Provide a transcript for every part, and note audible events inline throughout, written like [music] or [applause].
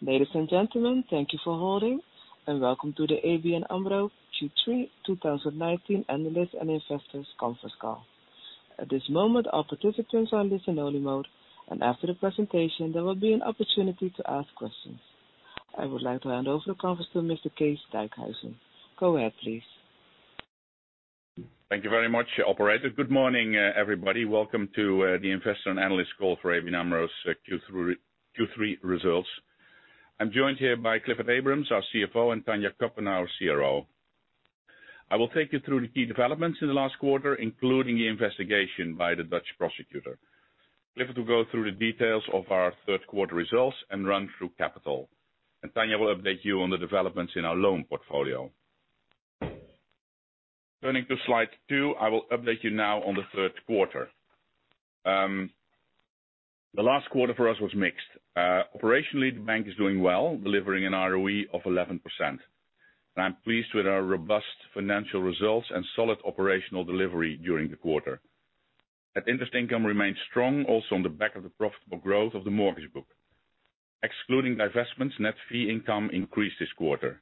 Ladies and gentlemen, thank you for holding, and welcome to the ABN AMRO Q3 2019 Analyst and Investors Conference Call. At this moment, all participants are in listen-only mode, and after the presentation, there will be an opportunity to ask questions. I would like to hand over the conference to Mr. Kees Dijkhuizen. Go ahead, please. Thank you very much, operator. Good morning, everybody. Welcome to the investor and analyst call for ABN AMRO's Q3 results. I'm joined here by Clifford Abrahams, our CFO, and Tanja Cuppen, our CRO. I will take you through the key developments in the last quarter, including the investigation by the Dutch prosecutor. Clifford will go through the details of our third-quarter results and run through capital, and Tanja will update you on the developments in our loan portfolio. Turning to slide two, I will update you now on the third quarter. The last quarter for us was mixed. Operationally, the bank is doing well, delivering an ROE of 11%. I'm pleased with our robust financial results and solid operational delivery during the quarter. Net interest income remains strong, also on the back of the profitable growth of the mortgage book. Excluding divestments, net fee income increased this quarter.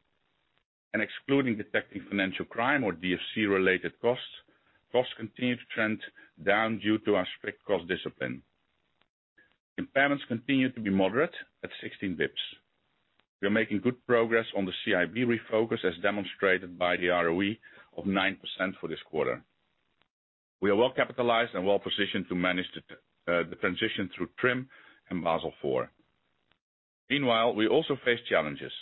Excluding detecting financial crime or DFC-related costs continue to trend down due to our strict cost discipline. Impairments continue to be moderate at 16 basis points. We are making good progress on the CIB refocus, as demonstrated by the ROE of 9% for this quarter. We are well-capitalized and well-positioned to manage the transition through TRIM and Basel IV. Meanwhile, we also face challenges.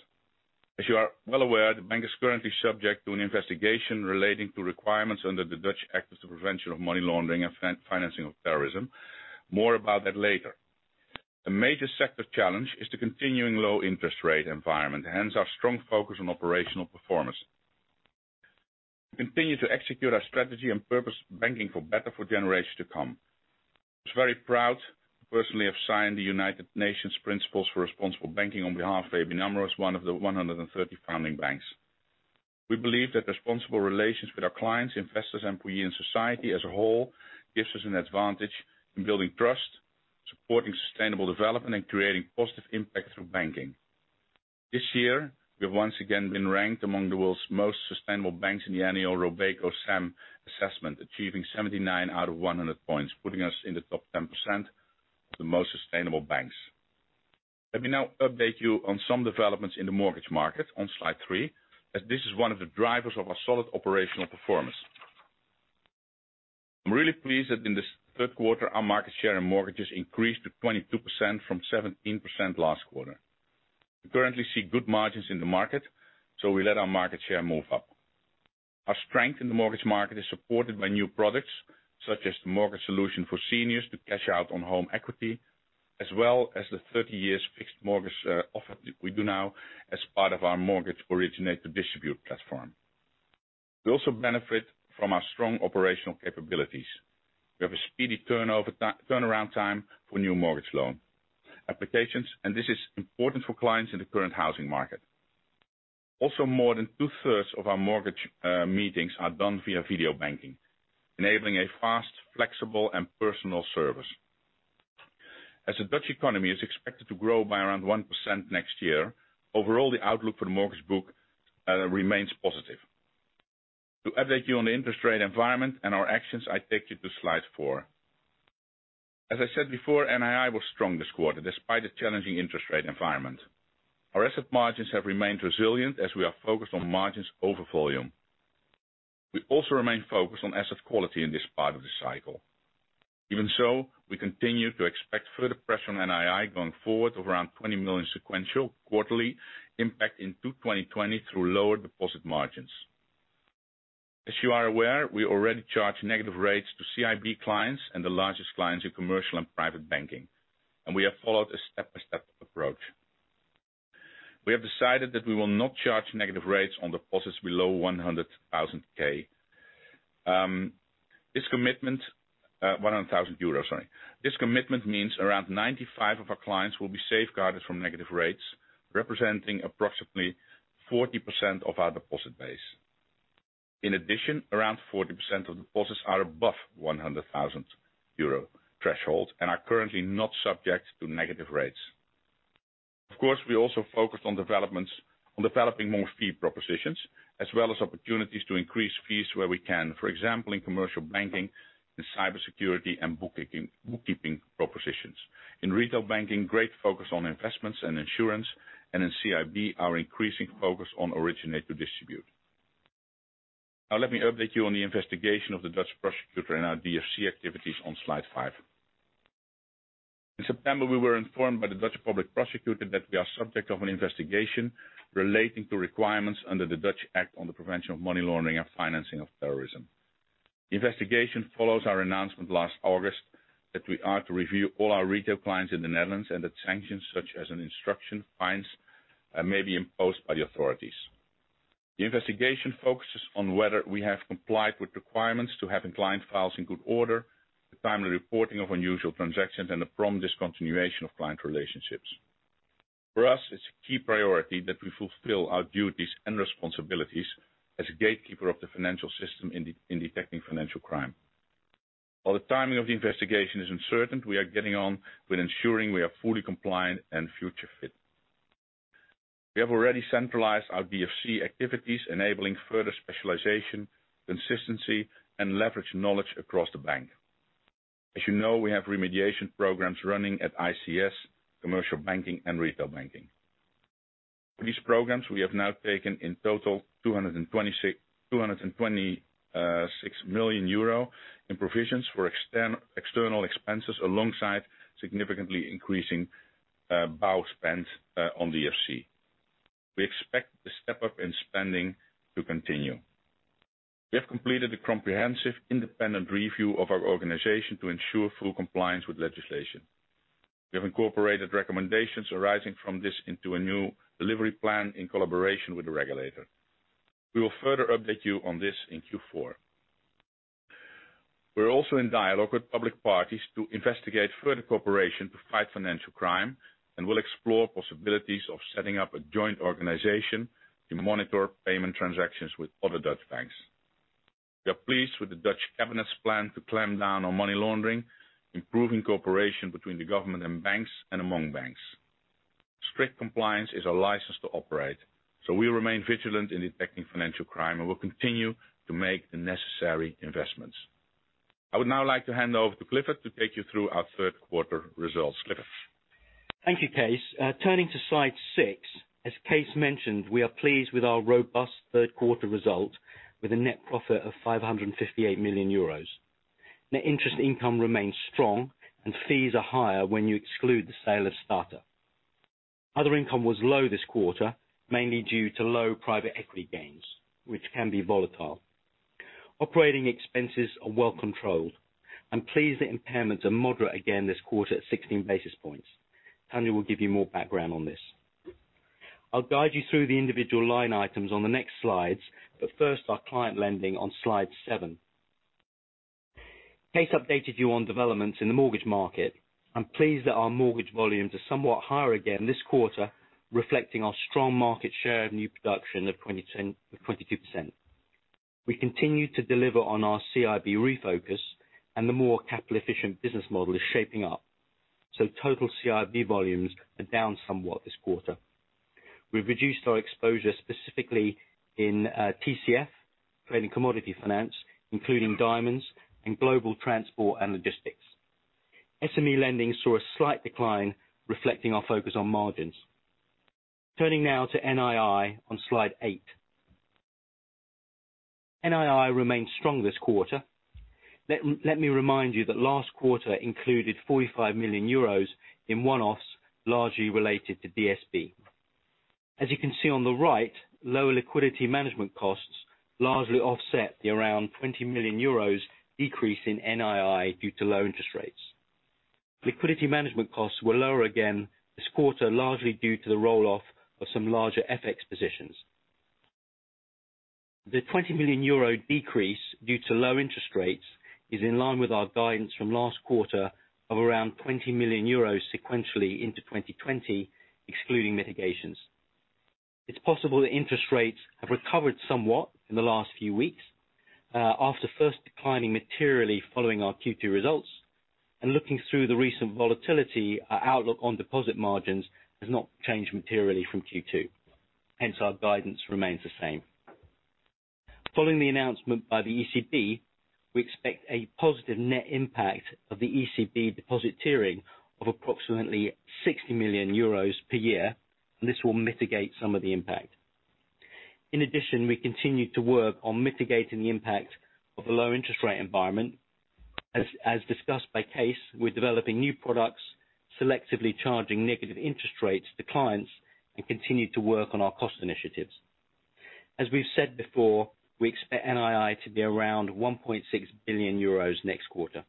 As you are well aware, the bank is currently subject to an investigation relating to requirements under the Dutch Act on the Prevention of Money Laundering and Financing of Terrorism. More about that later. A major sector challenge is the continuing low interest rate environment, hence our strong focus on operational performance. We continue to execute our strategy and purpose banking for better for generations to come. I was very proud to personally have signed the United Nations Principles for Responsible Banking on behalf of ABN AMRO, as one of the 130 founding banks. We believe that responsible relations with our clients, investors, employees, and society as a whole gives us an advantage in building trust, supporting sustainable development, and creating positive impact through banking. This year, we have once again been ranked among the world's most sustainable banks in the annual RobecoSAM assessment, achieving 79 out of 100 points, putting us in the top 10% of the most sustainable banks. Let me now update you on some developments in the mortgage market on slide three, as this is one of the drivers of our solid operational performance. I'm really pleased that in this third quarter, our market share in mortgages increased to 22% from 17% last quarter. We currently see good margins in the market, so we let our market share move up. Our strength in the mortgage market is supported by new products such as the mortgage solution for seniors to cash out on home equity, as well as the 30-year fixed mortgage offer we do now as part of our mortgage originate-to-distribute platform. We also benefit from our strong operational capabilities. We have a speedy turnaround time for new mortgage loan applications, and this is important for clients in the current housing market. Also, more than 2/3 of our mortgage meetings are done via video banking, enabling a fast, flexible, and personal service. As the Dutch economy is expected to grow by around 1% next year, overall, the outlook for the mortgage book remains positive. To update you on the interest rate environment and our actions, I take you to slide four. As I said before, NII was strong this quarter despite a challenging interest rate environment. Our asset margins have remained resilient as we are focused on margins over volume. We also remain focused on asset quality in this part of the cycle. Even so, we continue to expect further pressure on NII going forward of around 20 million sequential quarterly impact into 2020 through lower deposit margins. As you are aware, we already charge negative rates to CIB clients and the largest clients in commercial and Private Banking. We have followed a step-by-step approach. We have decided that we will not charge negative rates on deposits below 100,000. This commitment means around 95% of our clients will be safeguarded from negative rates, representing approximately 40% of our deposit base. In addition, around 40% of deposits are above 100,000 euro threshold and are currently not subject to negative rates. Of course, we also focused on developing more fee propositions as well as opportunities to increase fees where we can. For example, in Commercial Banking, in cybersecurity, and bookkeeping propositions. In Retail Banking, great focus on investments and insurance, and in CIB, our increasing focus on originate to distribute. Let me update you on the investigation of the Dutch public prosecutor and our DFC activities on slide five. In September, we were informed by the Dutch public prosecutor that we are subject of an investigation relating to requirements under the Dutch Act on the Prevention of Money Laundering and Financing of Terrorism. The investigation follows our announcement last August that we are to review all our retail clients in the Netherlands and that sanctions such as an instruction, fines, may be imposed by the authorities. The investigation focuses on whether we have complied with requirements to having client files in good order, the timely reporting of unusual transactions, and the prompt discontinuation of client relationships. For us, it's a key priority that we fulfill our duties and responsibilities as a gatekeeper of the financial system in detecting financial crime. While the timing of the investigation is uncertain, we are getting on with ensuring we are fully compliant and future fit. We have already centralized our DFC activities, enabling further specialization, consistency, and leveraged knowledge across the bank. As you know, we have remediation programs running at ICS, Commercial Banking, and Retail Banking. For these programs, we have now taken in total, 226 million euro in provisions for external expenses alongside significantly increasing [audio distortion] spend on DFC. We expect the step up in spending to continue. We have completed a comprehensive independent review of our organization to ensure full compliance with legislation. We have incorporated recommendations arising from this into a new delivery plan in collaboration with the regulator. We will further update you on this in Q4. We're also in dialogue with public parties to investigate further cooperation to fight financial crime. We'll explore possibilities of setting up a joint organization to monitor payment transactions with other Dutch banks. We are pleased with the Dutch Cabinet's plan to clamp down on money laundering, improving cooperation between the government and banks, and among banks. Strict compliance is a license to operate, so we remain vigilant in detecting financial crime and will continue to make the necessary investments. I would now like to hand over to Clifford to take you through our third quarter results. Clifford? Thank you, Kees. Turning to slide six. As Kees mentioned, we are pleased with our robust third quarter result with a net profit of 558 million euros. Net interest income remains strong. Fees are higher when you exclude the sale of Stater. Other income was low this quarter, mainly due to low private equity gains, which can be volatile. Operating expenses are well-controlled. I'm pleased that impairments are moderate again this quarter at 16 basis points. Tanja will give you more background on this. I'll guide you through the individual line items on the next slides, but first, our client lending on slide seven. Kees updated you on developments in the mortgage market. I'm pleased that our mortgage volumes are somewhat higher again this quarter, reflecting our strong market share of new production of 22%. We continue to deliver on our CIB refocus, and the more capital-efficient business model is shaping up. Total CIB volumes are down somewhat this quarter. We've reduced our exposure specifically in TCF, Trade and Commodity Finance, including diamonds and global transport and logistics. SME lending saw a slight decline, reflecting our focus on margins. Turning now to NII on slide eight. NII remains strong this quarter. Let me remind you that last quarter included 45 million euros in one-offs, largely related to DSB. As you can see on the right, lower liquidity management costs largely offset the around 20 million euros decrease in NII due to low interest rates. Liquidity management costs were lower again this quarter, largely due to the roll-off of some larger FX positions. The 20 million euro decrease due to low interest rates is in line with our guidance from last quarter of around 20 million euros sequentially into 2020, excluding mitigations. It's possible that interest rates have recovered somewhat in the last few weeks, after first declining materially following our Q2 results. Looking through the recent volatility, our outlook on deposit margins has not changed materially from Q2. Hence our guidance remains the same. Following the announcement by the ECB, we expect a positive net impact of the ECB deposit tiering of approximately 60 million euros per year, and this will mitigate some of the impact. In addition, we continue to work on mitigating the impact of the low interest rate environment. As discussed by Kees, we're developing new products, selectively charging negative interest rates to clients, and continue to work on our cost initiatives. As we've said before, we expect NII to be around 1.6 billion euros next quarter.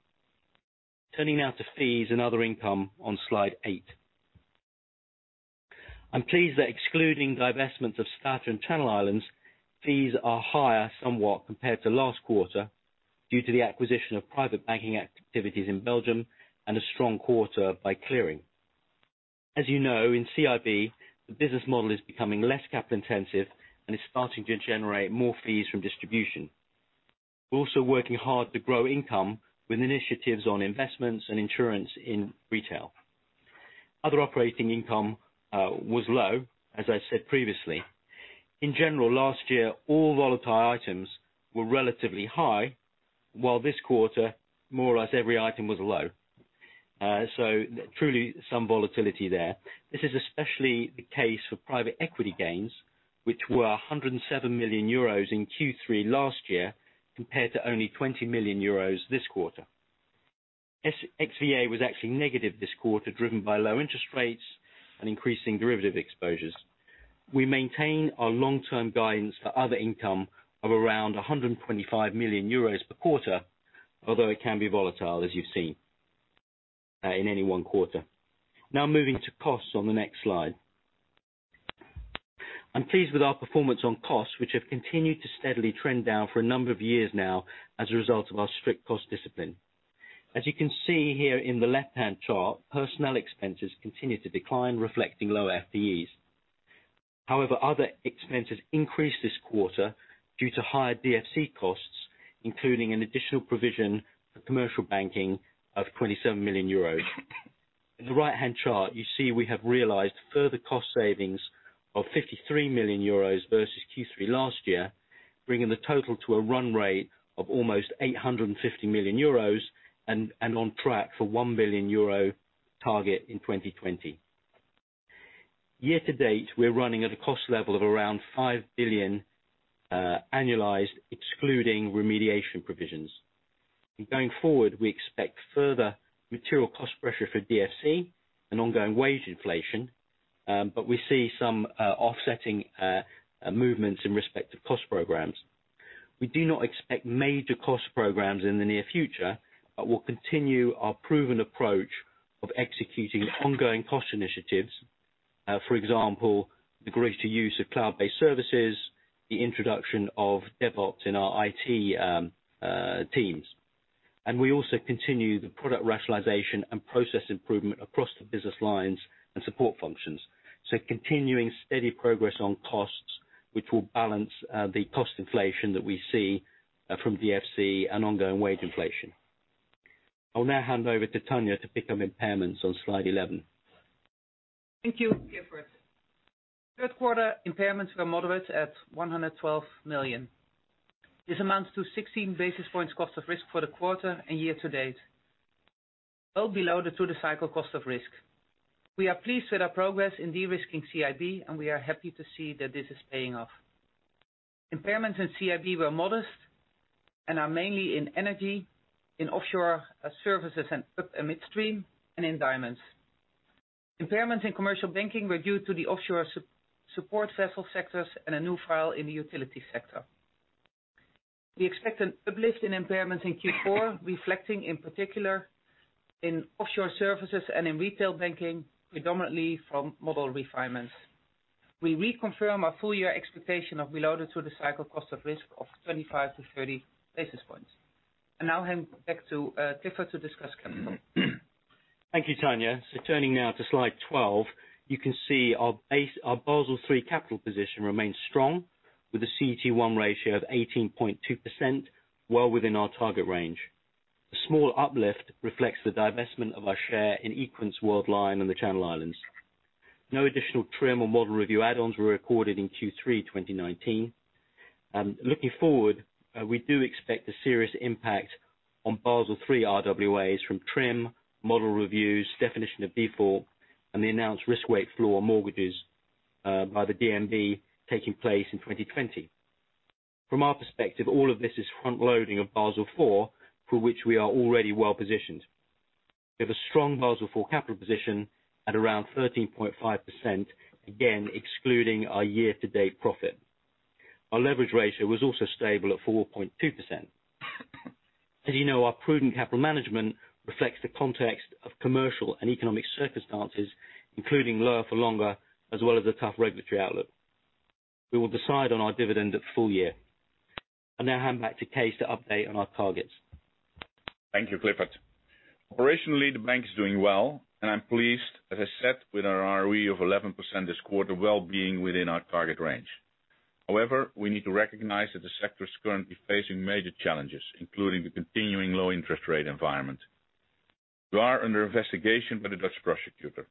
Turning now to fees and other income on slide eight. I'm pleased that excluding divestments of Stater and Channel Islands, fees are higher somewhat compared to last quarter due to the acquisition of Private Banking activities in Belgium and a strong quarter by clearing. As you know, in CIB, the business model is becoming less capital intensive and is starting to generate more fees from distribution. We're also working hard to grow income with initiatives on investments and insurance in retail. Other operating income was low, as I said previously. In general, last year, all volatile items were relatively high, while this quarter, more or less every item was low. Truly some volatility there. This is especially the case for private equity gains, which were 107 million euros in Q3 last year, compared to only 20 million euros this quarter. XVA was actually negative this quarter, driven by low interest rates and increasing derivative exposures. We maintain our long-term guidance for other income of around 125 million euros per quarter, although it can be volatile, as you've seen, in any one quarter. Moving to costs on the next slide. I'm pleased with our performance on costs, which have continued to steadily trend down for a number of years now as a result of our strict cost discipline. As you can see here in the left-hand chart, personnel expenses continue to decline, reflecting lower FTEs. However, other expenses increased this quarter due to higher DFC costs, including an additional provision for Commercial Banking of 27 million euros. In the right-hand chart, you see we have realized further cost savings of 53 million euros versus Q3 last year, bringing the total to a run rate of almost 850 million euros, and on track for a 1 billion euro target in 2020. Year to date, we're running at a cost level of around 5 billion annualized, excluding remediation provisions. Going forward, we expect further material cost pressure for DFC and ongoing wage inflation, but we see some offsetting movements in respect of cost programs. We do not expect major cost programs in the near future, but we'll continue our proven approach of executing ongoing cost initiatives. For example, the greater use of cloud-based services, the introduction of DevOps in our IT teams. We also continue the product rationalization and process improvement across the business lines and support functions. Continuing steady progress on costs, which will balance the cost inflation that we see from DFC and ongoing wage inflation. I'll now hand over to Tanja to pick up impairments on slide 11. Thank you, Clifford. Third quarter impairments were moderate at 112 million. This amounts to 16 basis points cost of risk for the quarter and year to date. Well below the through-the-cycle cost of risk. We are pleased with our progress in de-risking CIB, and we are happy to see that this is paying off. Impairments in CIB were modest and are mainly in energy, in offshore services and midstream, and in diamonds. Impairments in Commercial Banking were due to the offshore support vessel sectors and a new file in the utility sector. We expect an uplift in impairments in Q4, reflecting in particular in offshore services and in Retail Banking, predominantly from model refinements. We reconfirm our full-year expectation of below the through-the-cycle cost of risk of 25-30 basis points. I now hand back to Clifford to discuss capital. Thank you, Tanja. Turning now to slide 12. You can see our Basel III capital position remains strong, with a CET1 ratio of 18.2%, well within our target range. The small uplift reflects the divestment of our share in equensWorldline in the Channel Islands. No additional TRIM or model review add-ons were recorded in Q3 2019. Looking forward, we do expect a serious impact on Basel III RWAs from TRIM, model reviews, definition of B IV, and the announced risk weight floor mortgages by the DNB taking place in 2020. From our perspective, all of this is front-loading of Basel IV, for which we are already well-positioned. We have a strong Basel IV capital position at around 13.5%, again, excluding our year-to-date profit. Our leverage ratio was also stable at 4.2%. As you know, our prudent capital management reflects the context of commercial and economic circumstances, including lower for longer, as well as the tough regulatory outlook. We will decide on our dividend at full year. I now hand back to Kees to update on our targets. Thank you, Clifford. Operationally, the bank is doing well, and I'm pleased, as I said, with our ROE of 11% this quarter, well within our target range. However, we need to recognize that the sector is currently facing major challenges, including the continuing low interest rate environment. We are under investigation by the Dutch prosecutor.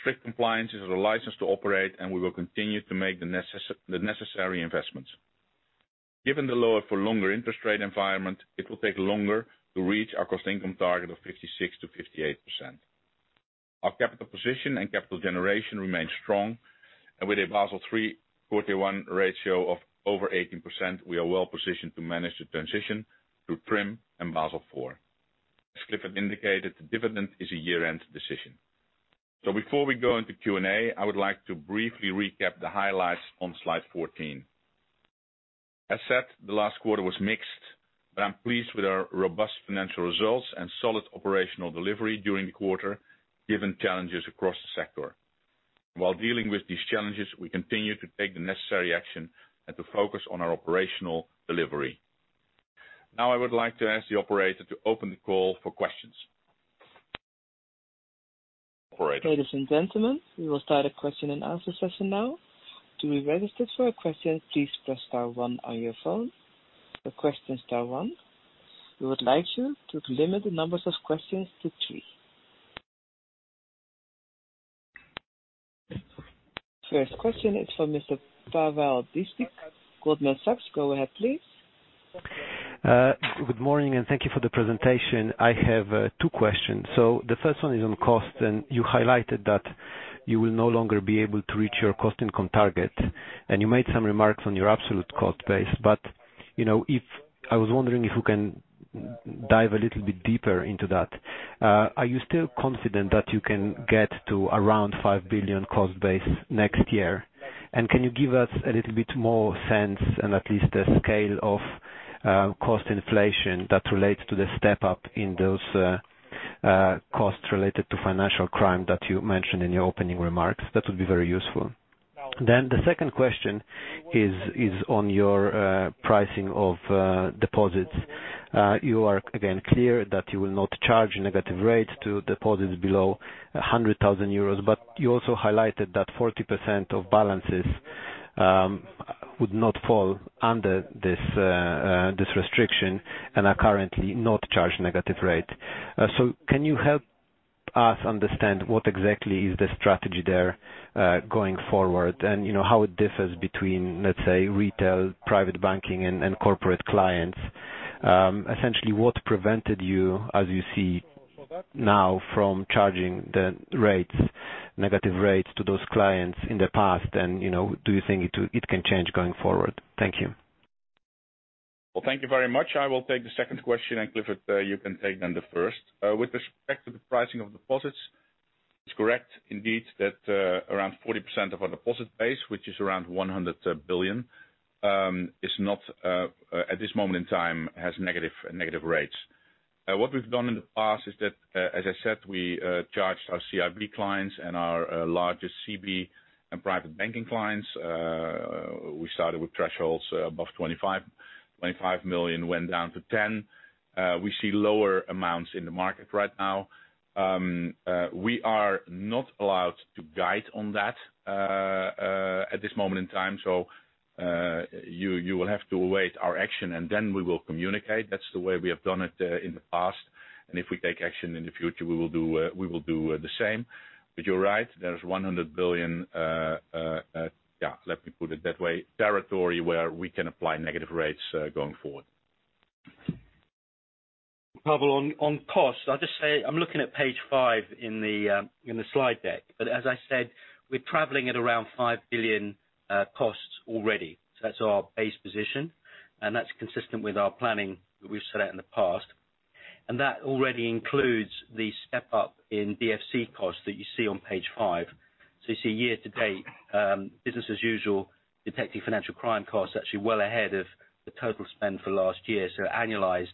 Strict compliance is our license to operate, and we will continue to make the necessary investments. Given the lower for longer interest rate environment, it will take longer to reach our cost income target of 56%-58%. Our capital position and capital generation remain strong. With a Basel III CET1 ratio of over 18%, we are well-positioned to manage the transition through TRIM and Basel IV. As Clifford indicated, the dividend is a year-end decision. Before we go into Q&A, I would like to briefly recap the highlights on slide 14. As said, the last quarter was mixed, I'm pleased with our robust financial results and solid operational delivery during the quarter, given challenges across the sector. While dealing with these challenges, we continue to take the necessary action and to focus on our operational delivery. Now I would like to ask the operator to open the call for questions. Operator. Ladies and gentlemen, we will start a question-and-answer session now. To be registered for a question, please press star one on your phone. For questions, star one. We would like you to limit the numbers of questions to three. First question is from Mr. Pawel Dziedzic, Goldman Sachs. Go ahead, please. Good morning, and thank you for the presentation. I have two questions. The first one is on cost, and you highlighted that you will no longer be able to reach your cost income target, and you made some remarks on your absolute cost base, but I was wondering if you can dive a little bit deeper into that. Are you still confident that you can get to around 5 billion cost base next year? Can you give us a little bit more sense and at least a scale of cost inflation that relates to the step-up in those costs related to financial crime that you mentioned in your opening remarks? That would be very useful. The second question is on your pricing of deposits. You are again clear that you will not charge negative rates to deposits below 100,000 euros, but you also highlighted that 40% of balances would not fall under this restriction and are currently not charged negative rate. Can you help us understand what exactly is the strategy there, going forward, and how it differs between, let's say, retail, Private Banking, and corporate clients? Essentially, what prevented you, as you see now, from charging the negative rates to those clients in the past, and do you think it can change going forward? Thank you. Well, thank you very much. I will take the second question. Clifford, you can take then the first. With respect to the pricing of deposits, it's correct indeed that around 40% of our deposit base, which is around 100 billion, at this moment in time, has negative rates. What we've done in the past is that, as I said, we charged our CIB clients and our largest CB and Private Banking clients. We started with thresholds above 25 million, went down to 10 million. We see lower amounts in the market right now. We are not allowed to guide on that at this moment in time. You will have to await our action. Then we will communicate. That's the way we have done it in the past. If we take action in the future, we will do the same. You're right, there's 100 billion, let me put it that way, territory where we can apply negative rates going forward. Pawel, on costs. I'll just say, I'm looking at page five in the slide deck, but as I said, we're traveling at around 5 billion costs already. That's our base position, and that's consistent with our planning that we've set out in the past. That already includes the step-up in DFC costs that you see on page five. You see year to date, business as usual, detecting financial crime costs actually well ahead of the total spend for last year. Annualized,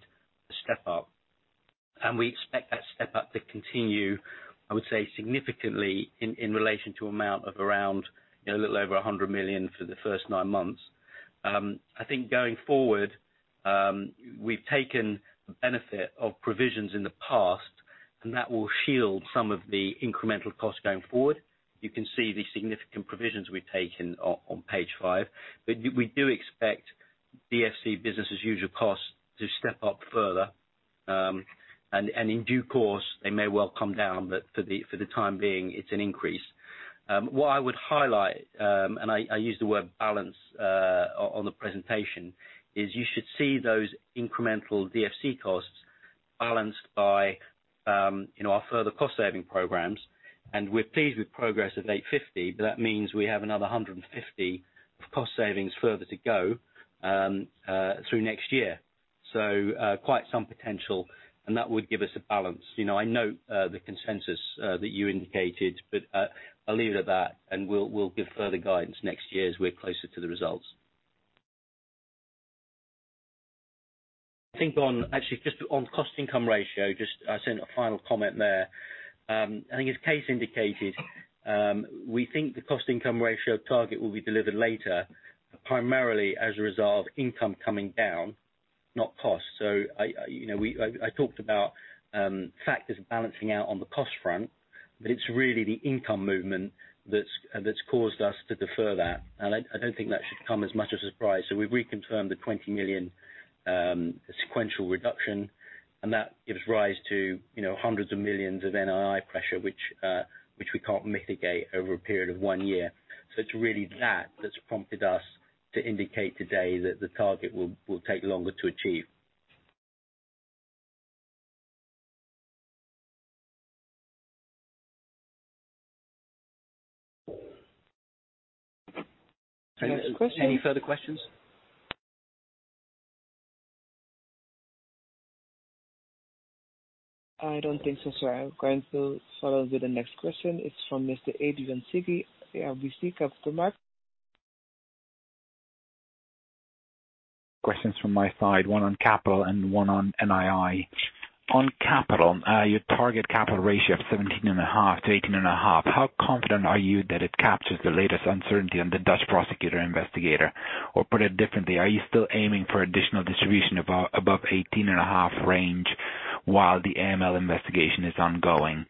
a step up. We expect that step up to continue, I would say, significantly in relation to amount of around a little over 100 million for the first nine months. I think going forward, we've taken the benefit of provisions in the past, and that will shield some of the incremental costs going forward. You can see the significant provisions we've taken on page five. We do expect DFC business as usual costs to step up further, and in due course, they may well come down. For the time being, it's an increase. What I would highlight, and I use the word balance on the presentation, is you should see those incremental DFC costs balanced by our further cost saving programs, and we're pleased with progress at 850 million. That means we have another 150 million of cost savings further to go through next year. Quite some potential, and that would give us a balance. I note the consensus that you indicated, but I'll leave it at that, and we'll give further guidance next year as we're closer to the results. I think actually just on cost income ratio, I say a final comment there. I think as Kees indicated, we think the cost income ratio target will be delivered later, primarily as a result of income coming down, not cost. I talked about factors balancing out on the cost front, but it's really the income movement that's caused us to defer that, and I don't think that should come as much as a surprise. We've reconfirmed the 20 million sequential reduction, and that gives rise to hundreds of millions of NII pressure, which we can't mitigate over a period of one year. It's really that that's prompted us to indicate today that the target will take longer to achieve. Any further questions? I don't think so, sir. I'm going to follow with the next question. It's from Mr. Adrian Cighi, RBC Capital Markets. Questions from my side, one on capital and one on NII. On capital, your target capital ratio of 17.5%-18.5%. How confident are you that it captures the latest uncertainty on the Dutch prosecutor investigator? Or put it differently, are you still aiming for additional distribution above 18.5% range while the AML investigation is ongoing?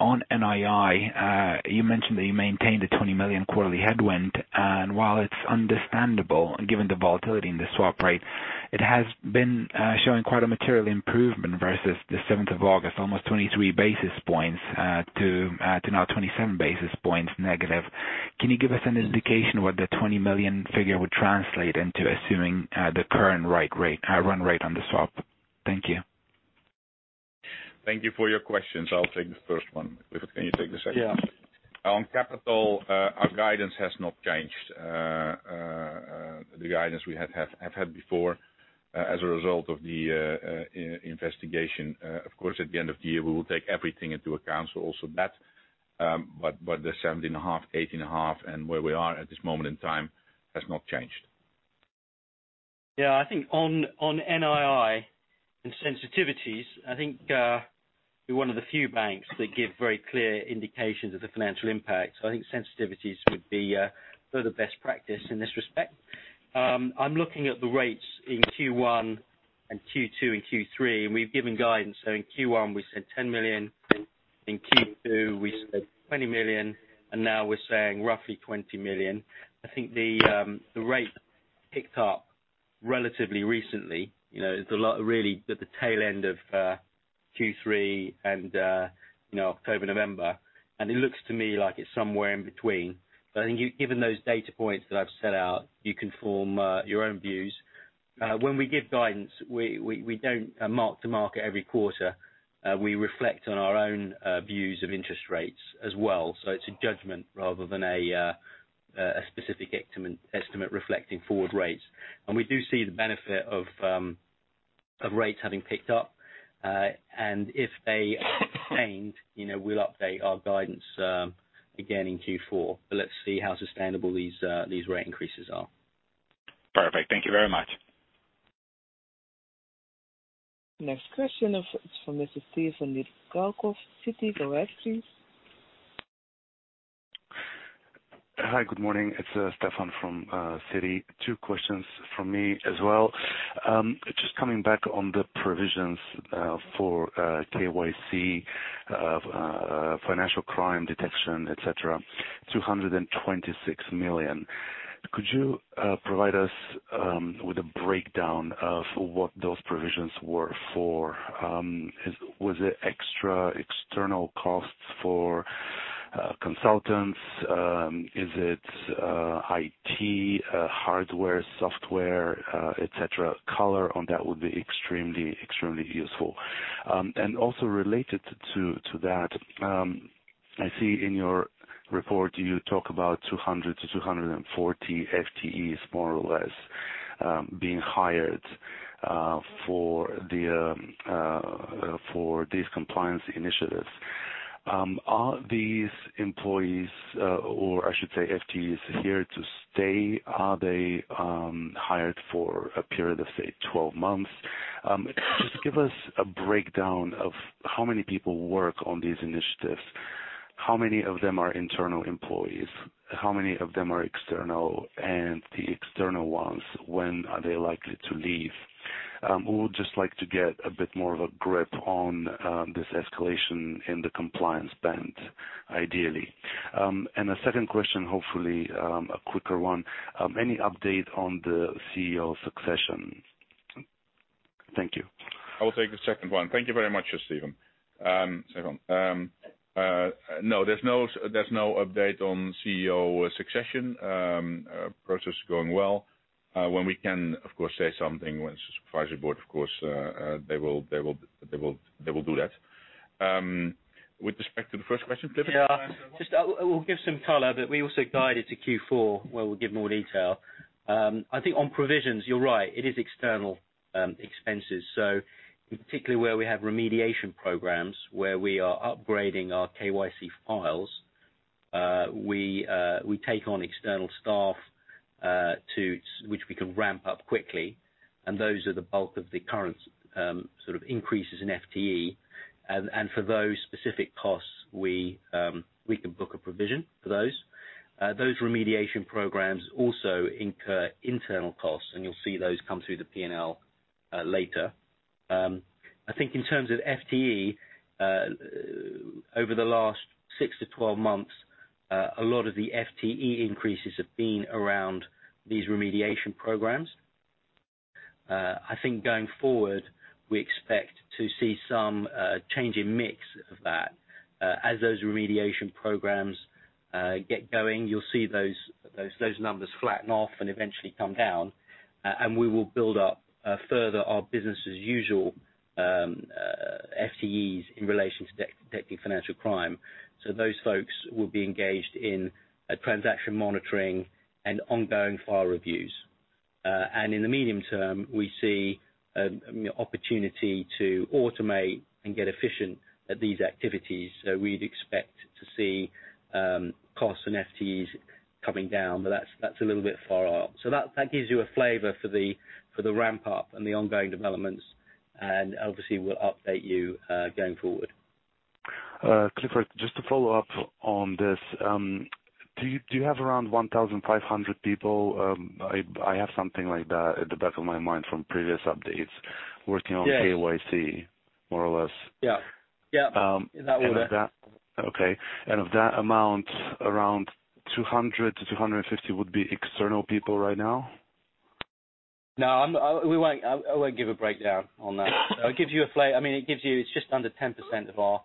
On NII, you mentioned that you maintained a 20 million quarterly headwind. While it's understandable, given the volatility in the swap rate, it has been showing quite a material improvement versus the 7th of August, almost 23 basis points to now 27 basis points negative. Can you give us an indication what the 20 million figure would translate into, assuming the current run rate on the swap? Thank you. Thank you for your questions. I'll take the first one. Clifford, can you take the second one? Yeah. On capital, our guidance has not changed. The guidance we have had before as a result of the investigation. Of course, at the end of the year, we will take everything into account, so also that. The 17.5%, 18.5%, and where we are at this moment in time has not changed. Yeah, I think on NII and sensitivities, I think we're one of the few banks that give very clear indications of the financial impact. I think sensitivities would be further best practice in this respect. I'm looking at the rates in Q1 and Q2 and Q3, and we've given guidance. In Q1 we said 10 million, in Q2 we said 20 million, and now we're saying roughly 20 million. I think the rate picked up relatively recently. It's really at the tail end of Q3 and October, November. It looks to me like it's somewhere in between. I think given those data points that I've set out, you can form your own views. When we give guidance, we don't mark to market every quarter. We reflect on our own views of interest rates as well. It's a judgment rather than a specific estimate reflecting forward rates. We do see the benefit of rates having picked up. If they sustained, we'll update our guidance again in Q4. Let's see how sustainable these rate increases are. Perfect. Thank you very much. Next question is from Mr. Stefan Nedialkov, Citi. Go ahead, please. Hi. Good morning. It's Stefan from Citi. Two questions from me as well. Just coming back on the provisions for KYC, financial crime detection, et cetera. 226 million. Could you provide us with a breakdown of what those provisions were for? Was it extra external costs for consultants? Is it IT, hardware, software, et cetera? Color on that would be extremely useful. Also related to that, I see in your report you talk about 200-240 FTEs more or less, being hired for these compliance initiatives. Are these employees, or I should say FTEs, here to stay? Are they hired for a period of, say, 12 months? Just give us a breakdown of how many people work on these initiatives, how many of them are internal employees, how many of them are external, and the external ones, when are they likely to leave? We would just like to get a bit more of a grip on this escalation in the compliance band, ideally. A second question, hopefully, a quicker one. Any update on the CEO succession? Thank you. I will take the second one. Thank you very much, Stefan. No, there's no update on CEO succession. Process is going well. When we can, of course, say something, when Supervisory Board, of course, they will do that. With respect to the first question, Clifford, do you want to say one? We'll give some color, but we also guided to Q4 where we'll give more detail. I think on provisions, you're right. It is external expenses. Particularly where we have remediation programs, where we are upgrading our KYC files, we take on external staff which we can ramp up quickly, and those are the bulk of the current increases in FTE. For those specific costs, we can book a provision for those. Those remediation programs also incur internal costs, and you'll see those come through the P&L later. I think in terms of FTE, over the last 6-12 months, a lot of the FTE increases have been around these remediation programs. I think going forward, we expect to see some change in mix of that. As those remediation programs get going, you'll see those numbers flatten off and eventually come down. We will build up further our business as usual FTEs in relation to detecting financial crime. Those folks will be engaged in transaction monitoring and ongoing file reviews. In the medium-term, we see opportunity to automate and get efficient at these activities. We'd expect to see costs and FTEs coming down, but that's a little bit far off. That gives you a flavor for the ramp-up and the ongoing developments. Obviously, we'll update you going forward. Clifford, just to follow up on this. Do you have around 1,500 people, I have something like that at the back of my mind from previous updates, working on KYC more or less? Yeah. Yeah, in that order. Okay. Of that amount, around 200-250 would be external people right now? No, I won't give a breakdown on that. I mean, it's just under 10% of our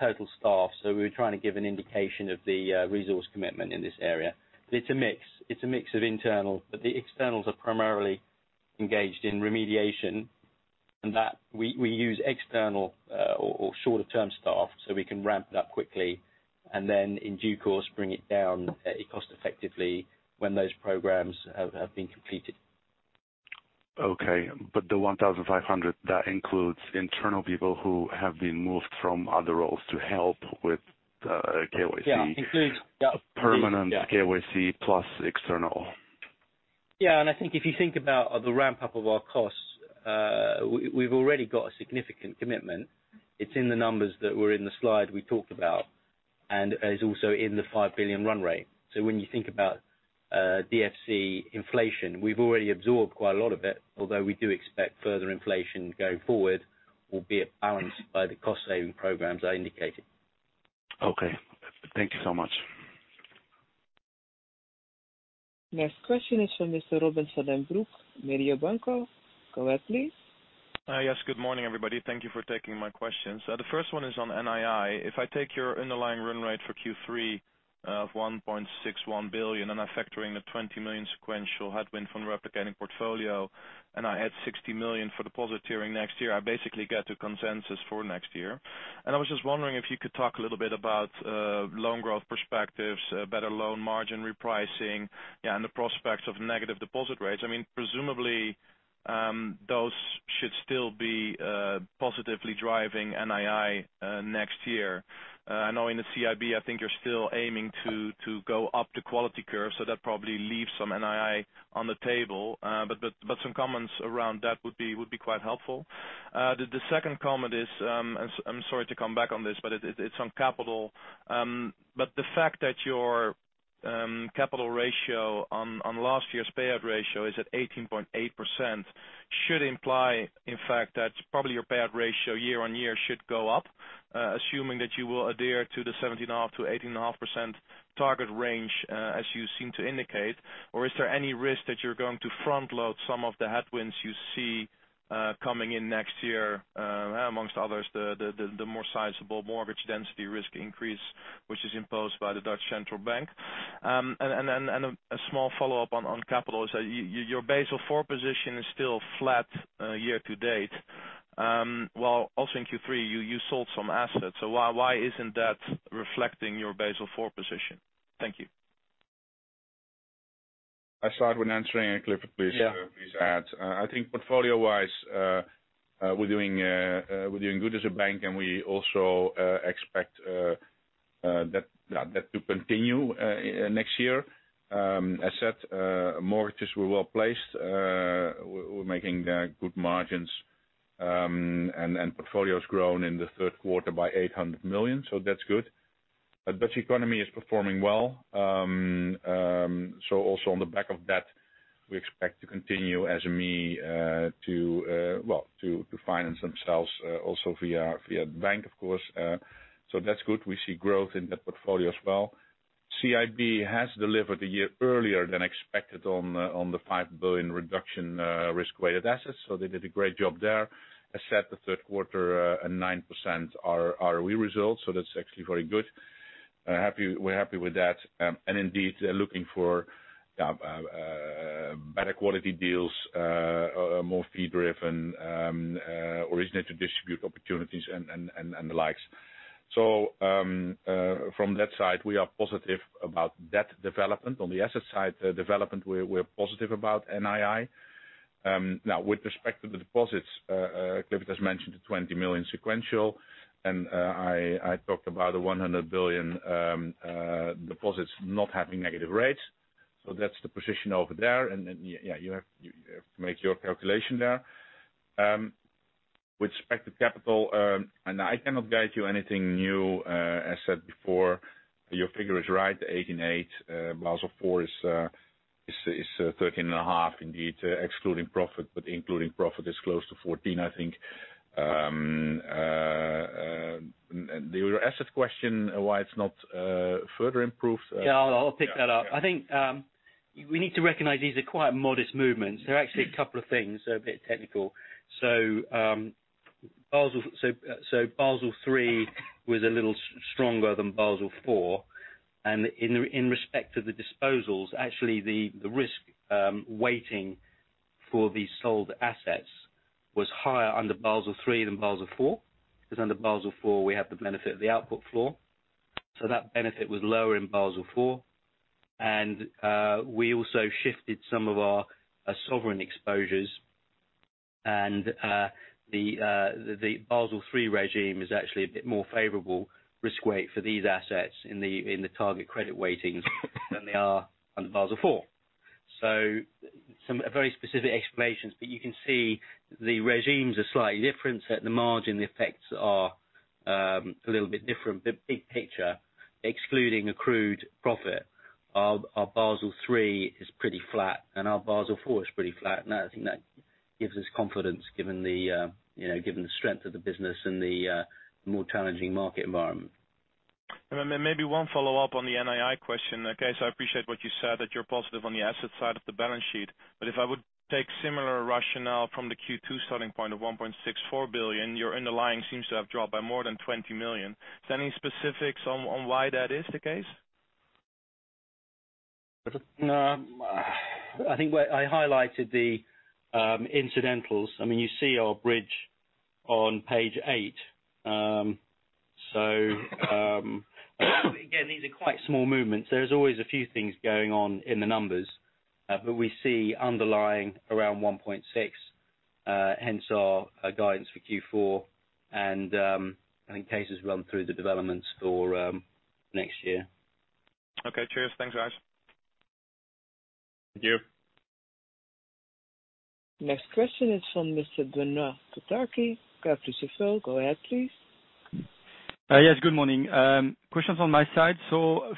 total staff. We were trying to give an indication of the resource commitment in this area. It's a mix. It's a mix of internal, but the externals are primarily engaged in remediation. That we use external or shorter-term staff so we can ramp it up quickly, and then in due course, bring it down cost effectively when those programs have been completed. Okay. The 1,500, that includes internal people who have been moved from other roles to help with KYC. Yeah. Includes. Yeah. Permanent KYC plus external. Yeah, I think if you think about the ramp-up of our costs, we've already got a significant commitment. It's in the numbers that were in the slide we talked about and is also in the 5 billion run rate. When you think about DFC inflation, we've already absorbed quite a lot of it, although we do expect further inflation going forward, will be balanced by the cost-saving programs I indicated. Okay. Thank you so much. Next question is from Mr. Robin van den Broek, Mediobanca. Go ahead, please. Yes. Good morning, everybody. Thank you for taking my questions. The first one is on NII. If I take your underlying run rate for Q3 of 1.61 billion, and I factor in the 20 million sequential headwind from replicating portfolio, and I add 60 million for deposit tiering next year, I basically get to consensus for next year. I was just wondering if you could talk a little bit about loan growth perspectives, better loan margin repricing, and the prospects of negative deposit rates. Presumably, those should still be positively driving NII next year. I know in the CIB, I think you are still aiming to go up the quality curve, That probably leaves some NII on the table. Some comments around that would be quite helpful. The second comment is, I am sorry to come back on this, but it's on capital. The fact that your capital ratio on last year's payout ratio is at 18.8% should imply, in fact, that probably your payout ratio year on year should go up, assuming that you will adhere to the 17.5%-18.5% target range, as you seem to indicate. Is there any risk that you're going to front-load some of the headwinds you see coming in next year, amongst others, the more sizable mortgage density risk increase, which is imposed by the Dutch central bank? A small follow-up on capital is that your Basel IV position is still flat year to date, while also in Q3, you sold some assets. Why isn't that reflecting your Basel IV position? Thank you. I'll start with answering and Clifford, please add. I think portfolio-wise, we're doing good as a bank, and we also expect that to continue next year. As said, mortgages were well-placed. We're making good margins, and portfolio's grown in the third quarter by 800 million, so that's good. The Dutch economy is performing well. Also on the back of that, we expect to continue SME to finance themselves also via bank, of course. That's good. We see growth in that portfolio as well. CIB has delivered a year earlier than expected on the 5 billion reduction risk-weighted assets. They did a great job there. I said the third quarter, a 9% ROE result. That's actually very good. We're happy with that. Indeed, they're looking for better quality deals, more fee-driven, originate to distribute opportunities, and the likes. From that side, we are positive about that development. On the asset side development, we're positive about NII. With respect to the deposits, Clifford has mentioned the 20 million sequential, and I talked about the 100 billion deposits not having negative rates. That's the position over there. You have to make your calculation there. With respect to capital, I cannot guide you anything new. I said before, your figure is right, 18.8%. Basel IV is 13.5% indeed, excluding profit, but including profit is close to 14%, I think. Your asset question, why it's not further improved. Yeah, I'll pick that up. I think we need to recognize these are quite modest movements. They're actually a couple of things, they're a bit technical. Basel III was a little stronger than Basel IV. In respect to the disposals, actually, the risk weighting for these sold assets was higher under Basel III than Basel IV, because under Basel IV, we have the benefit of the output floor. That benefit was lower in Basel IV. We also shifted some of our sovereign exposures and the Basel III regime is actually a bit more favorable risk-weight for these assets in the target credit weightings than they are under Basel IV. Some very specific explanations, but you can see the regimes are slightly different. At the margin, the effects are a little bit different. Big picture, excluding accrued profit, our Basel III is pretty flat and our Basel IV is pretty flat. I think that gives us confidence given the strength of the business and the more challenging market environment. Maybe one follow-up on the NII question. Okay, I appreciate what you said, that you're positive on the asset side of the balance sheet. If I would take similar rationale from the Q2 starting point of 1.64 billion, your underlying seems to have dropped by more than 20 million. Is there any specifics on why that is the case? I think I highlighted the incidentals. You see our bridge on page eight. Again, these are quite small movements. There's always a few things going on in the numbers. We see underlying around 1.6 billion, hence our guidance for Q4. I think Kees has run through the developments for next year. Okay, cheers. Thanks, guys. Thank you. Next question is from Mr. Benoît Pétrarque, Kepler Cheuvreux. Go ahead, please. Yes, good morning. Questions on my side.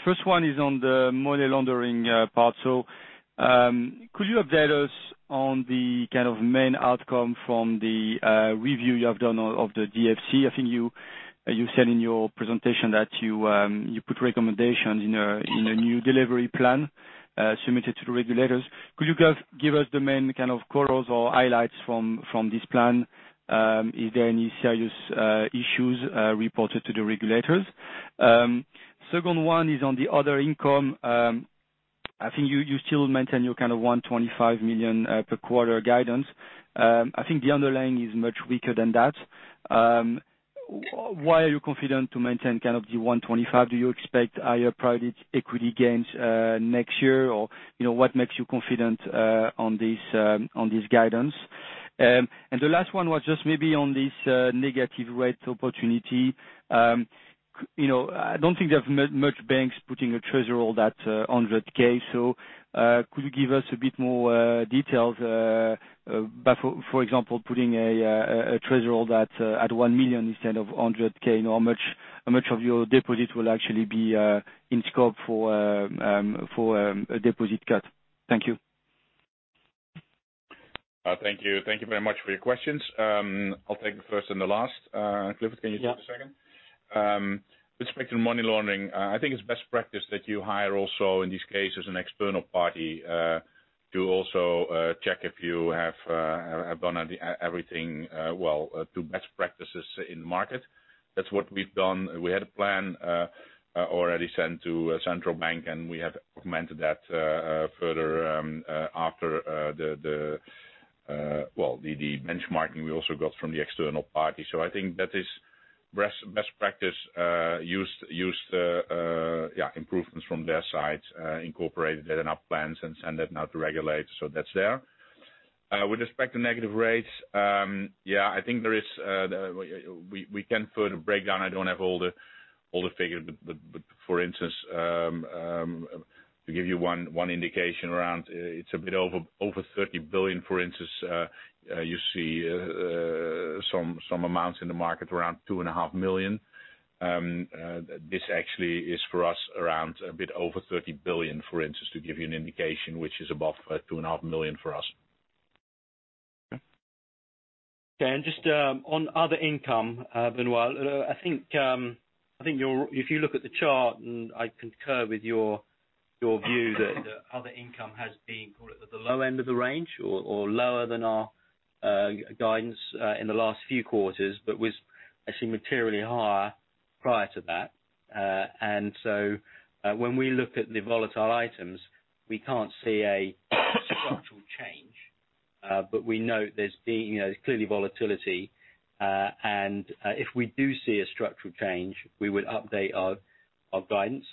First one is on the money laundering part. Could you update us on the main outcome from the review you have done of the DFC? I think you said in your presentation that you put recommendations in a new delivery plan submitted to the regulators. Could you give us the main corollaries or highlights from this plan? Is there any serious issues reported to the regulators? Second one is on the other income. I think you still maintain your 125 million per quarter guidance. I think the underlying is much weaker than that. Why are you confident to maintain the 125 million? Do you expect higher private equity gains next year, or what makes you confident on this guidance? The last one was just maybe on this negative rate opportunity. I don't think there are much banks putting a threshold at 100,000. Could you give us a bit more details, for example, putting a threshold at 1 million instead of 100,000? How much of your deposit will actually be in scope for a deposit cut? Thank you. Thank you very much for your questions. I'll take the first and the last. Clifford, can you take the second? Yeah. With respect to money laundering, I think it's best practice that you hire also in these cases, an external party, to also check if you have done everything to best practices in market. That's what we've done. We had a plan already sent to central bank, and we have augmented that further after the benchmarking we also got from the external party. I think that is best practice. Used improvements from their sides, incorporated that in our plans and send that now to regulator. That's there. With respect to negative rates, yeah, I think we can further break down. I don't have all the figures. For instance, to give you one indication around, it's a bit over 30 billion, for instance. You see some amounts in the market around 2.5 million. This actually is for us around a bit over 30 billion, for instance, to give you an indication, which is above 2.5 million for us. Just on other income, Benoît, I think if you look at the chart, and I concur with your view that other income has been, call it, at the low end of the range or lower than our guidance in the last few quarters, but was actually materially higher prior to that. When we look at the volatile items, we can't see a structural change. We know there's clearly volatility. If we do see a structural change, we would update our guidance.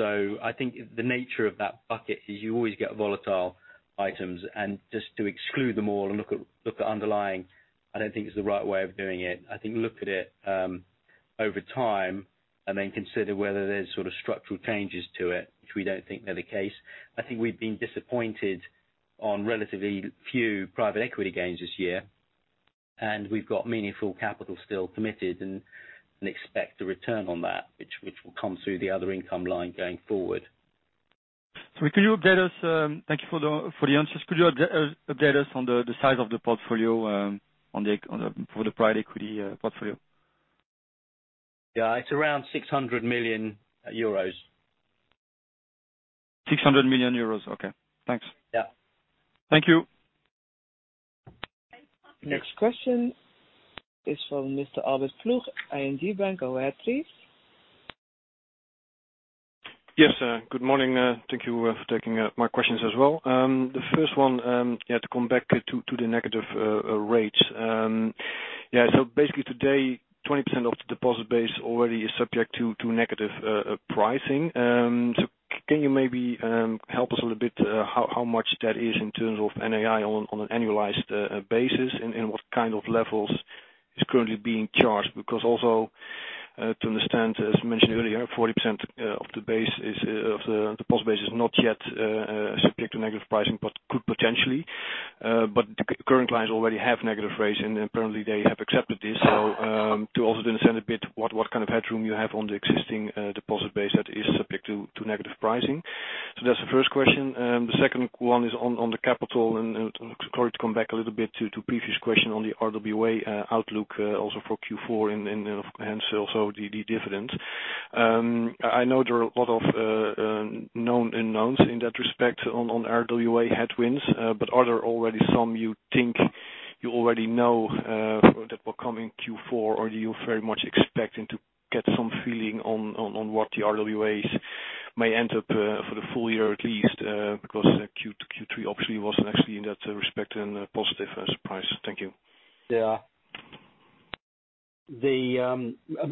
I think the nature of that bucket is you always get volatile items, and just to exclude them all and look at underlying, I don't think is the right way of doing it. I think look at it over time and then consider whether there's structural changes to it, which we don't think they're the case. I think we've been disappointed on relatively few private equity gains this year, and we've got meaningful capital still committed and expect a return on that, which will come through the other income line going forward. Thank you for the answers. Could you update us on the size of the portfolio for the private equity portfolio? Yeah. It's around 600 million euros. 600 million euros. Okay, thanks. Yeah. Thank you. Next question is from Mr. Albert Ploegh, ING Bank. Go ahead, please. Yes, good morning. Thank you for taking my questions as well. The first one, to come back to the negative rates. Basically today, 20% of the deposit base already is subject to negative pricing. Can you maybe help us a little bit how much that is in terms of NII on an annualized basis and what kind of levels is currently being charged? Also to understand, as mentioned earlier, 40% of the deposit base is not yet subject to negative pricing, but could potentially. The current clients already have negative rates, and apparently, they have accepted this. To also understand a bit what kind of headroom you have on the existing deposit base that is subject to negative pricing. That's the first question. The second one is on the capital, sorry to come back a little bit to previous question on the RWA outlook also for Q4 and hence also the dividend. I know there are a lot of known unknowns in that respect on RWA headwinds, but are there already some you think you already know that will come in Q4? Are you very much expecting to get some feeling on what the RWAs may end up for the full year at least? Q3 obviously wasn't actually in that respect and a positive surprise. Thank you.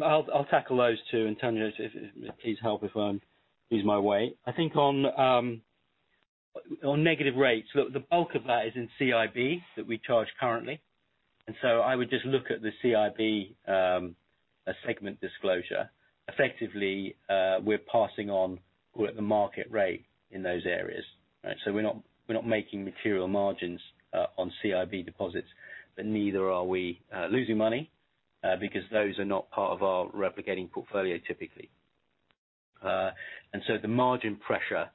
I'll tackle those two. Tanja, please help if I lose my way. I think on negative rates, look, the bulk of that is in CIB that we charge currently. I would just look at the CIB segment disclosure. Effectively, we're passing on or at the market rate in those areas. We're not making material margins on CIB deposits, but neither are we losing money, because those are not part of our replicating portfolio typically. The margin pressure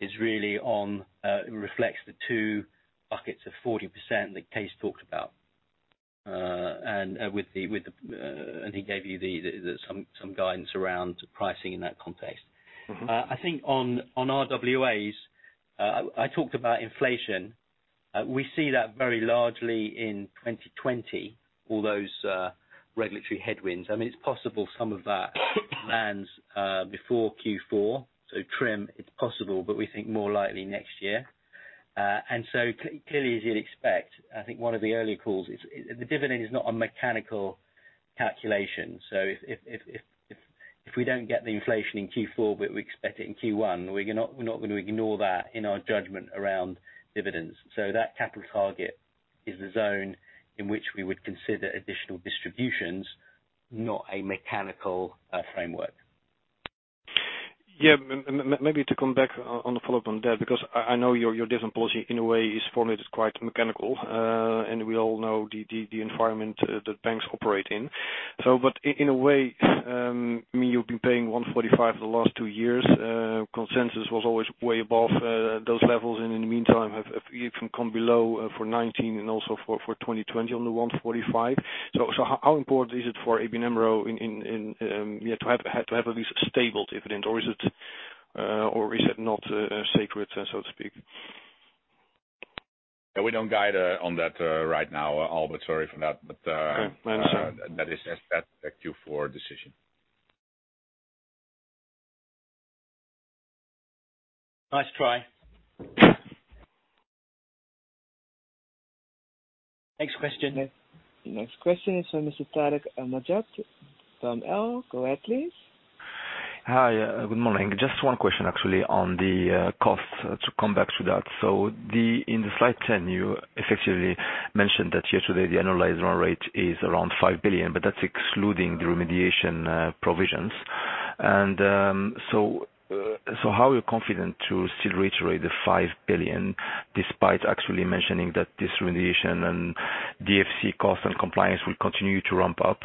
is really on, reflects the two buckets of 40% that Kees talked about. He gave you some guidance around pricing in that context. I think on RWAs, I talked about inflation. We see that very largely in 2020, all those regulatory headwinds. It's possible some of that lands before Q4, so TRIM, it's possible, but we think more likely next year. Clearly as you'd expect, I think one of the early calls is the dividend is not a mechanical calculation. If we don't get the inflation in Q4, but we expect it in Q1, we're not going to ignore that in our judgment around dividends. That capital target is the zone in which we would consider additional distributions, not a mechanical framework. Yeah. Maybe to come back on the follow-up on that, because I know your dividend policy in a way is formulated quite mechanical, and we all know the environment that banks operate in. In a way, you've been paying [145] for the last two years. Consensus was always way above those levels, and in the meantime, it can come below for 2019 and also for 2020 on the 145. How important is it for ABN AMRO to have at least a stable dividend or is it not sacred, so to speak? We don't guide on that right now, Albert. Sorry for that. Okay. I understand. That is a Q4 decision. Nice try. Next question. Next question is from Mr. Tarik El Mejjad, Bank of America. Go ahead, please. Hi. Good morning. Just one question actually on the cost to come back to that. In the slide 10, you effectively mentioned that yesterday the annualized run rate is around 5 billion, but that's excluding the remediation provisions. How are you confident to still reiterate the 5 billion despite actually mentioning that this remediation and DFC cost and compliance will continue to ramp up?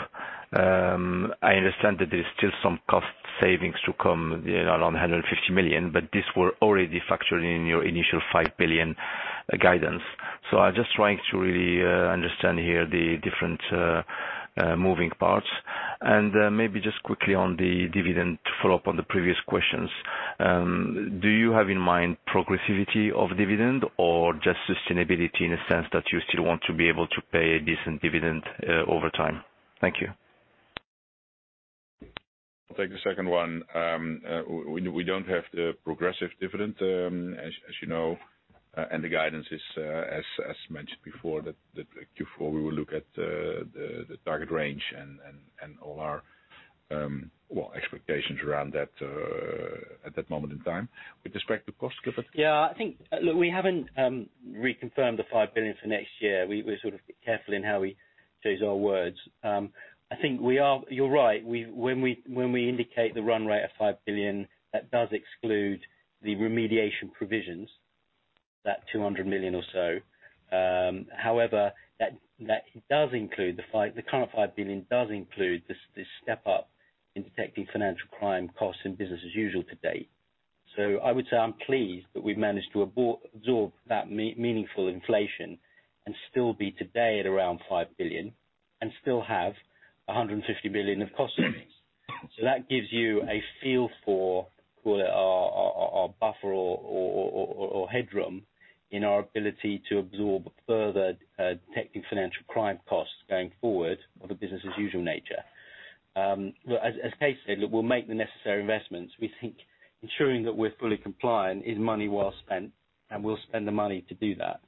I understand that there's still some cost savings to come around 150 million, but these were already factored in your initial 5 billion guidance. I'm just trying to really understand here the different moving parts. Maybe just quickly on the dividend to follow up on the previous questions. Do you have in mind progressivity of dividend or just sustainability in a sense that you still want to be able to pay a decent dividend over time? Thank you. I'll take the second one. We don't have the progressive dividend, as you know, and the guidance is, as mentioned before, that Q4 we will look at the target range and all our expectations around that at that moment in time. With respect to cost, Clifford? Yeah. Look, we haven't reconfirmed the 5 billion for next year. We're careful in how we choose our words. I think you're right. When we indicate the run rate of 5 billion, that does exclude the remediation provisions, that 200 million or so. The current 5 billion does include this step up in detecting financial crime costs in business as usual to date. I would say I'm pleased that we've managed to absorb that meaningful inflation and still be today at around 5 billion and still have 150 million of cost savings. That gives you a feel for our buffer or headroom in our ability to absorb further detecting financial crime costs going forward of a business as usual nature. Look, as Kees said, look, we'll make the necessary investments. We think ensuring that we're fully compliant is money well spent, and we'll spend the money to do that.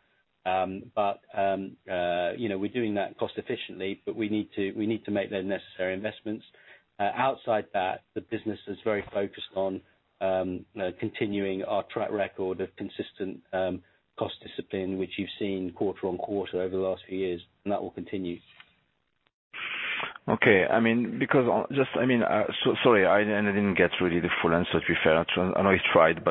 We're doing that cost efficiently, but we need to make the necessary investments. Outside that, the business is very focused on continuing our track record of consistent cost discipline, which you've seen quarter-on-quarter over the last few years, and that will continue. Okay. Sorry, I didn't get really the full answer to be fair. I know you tried.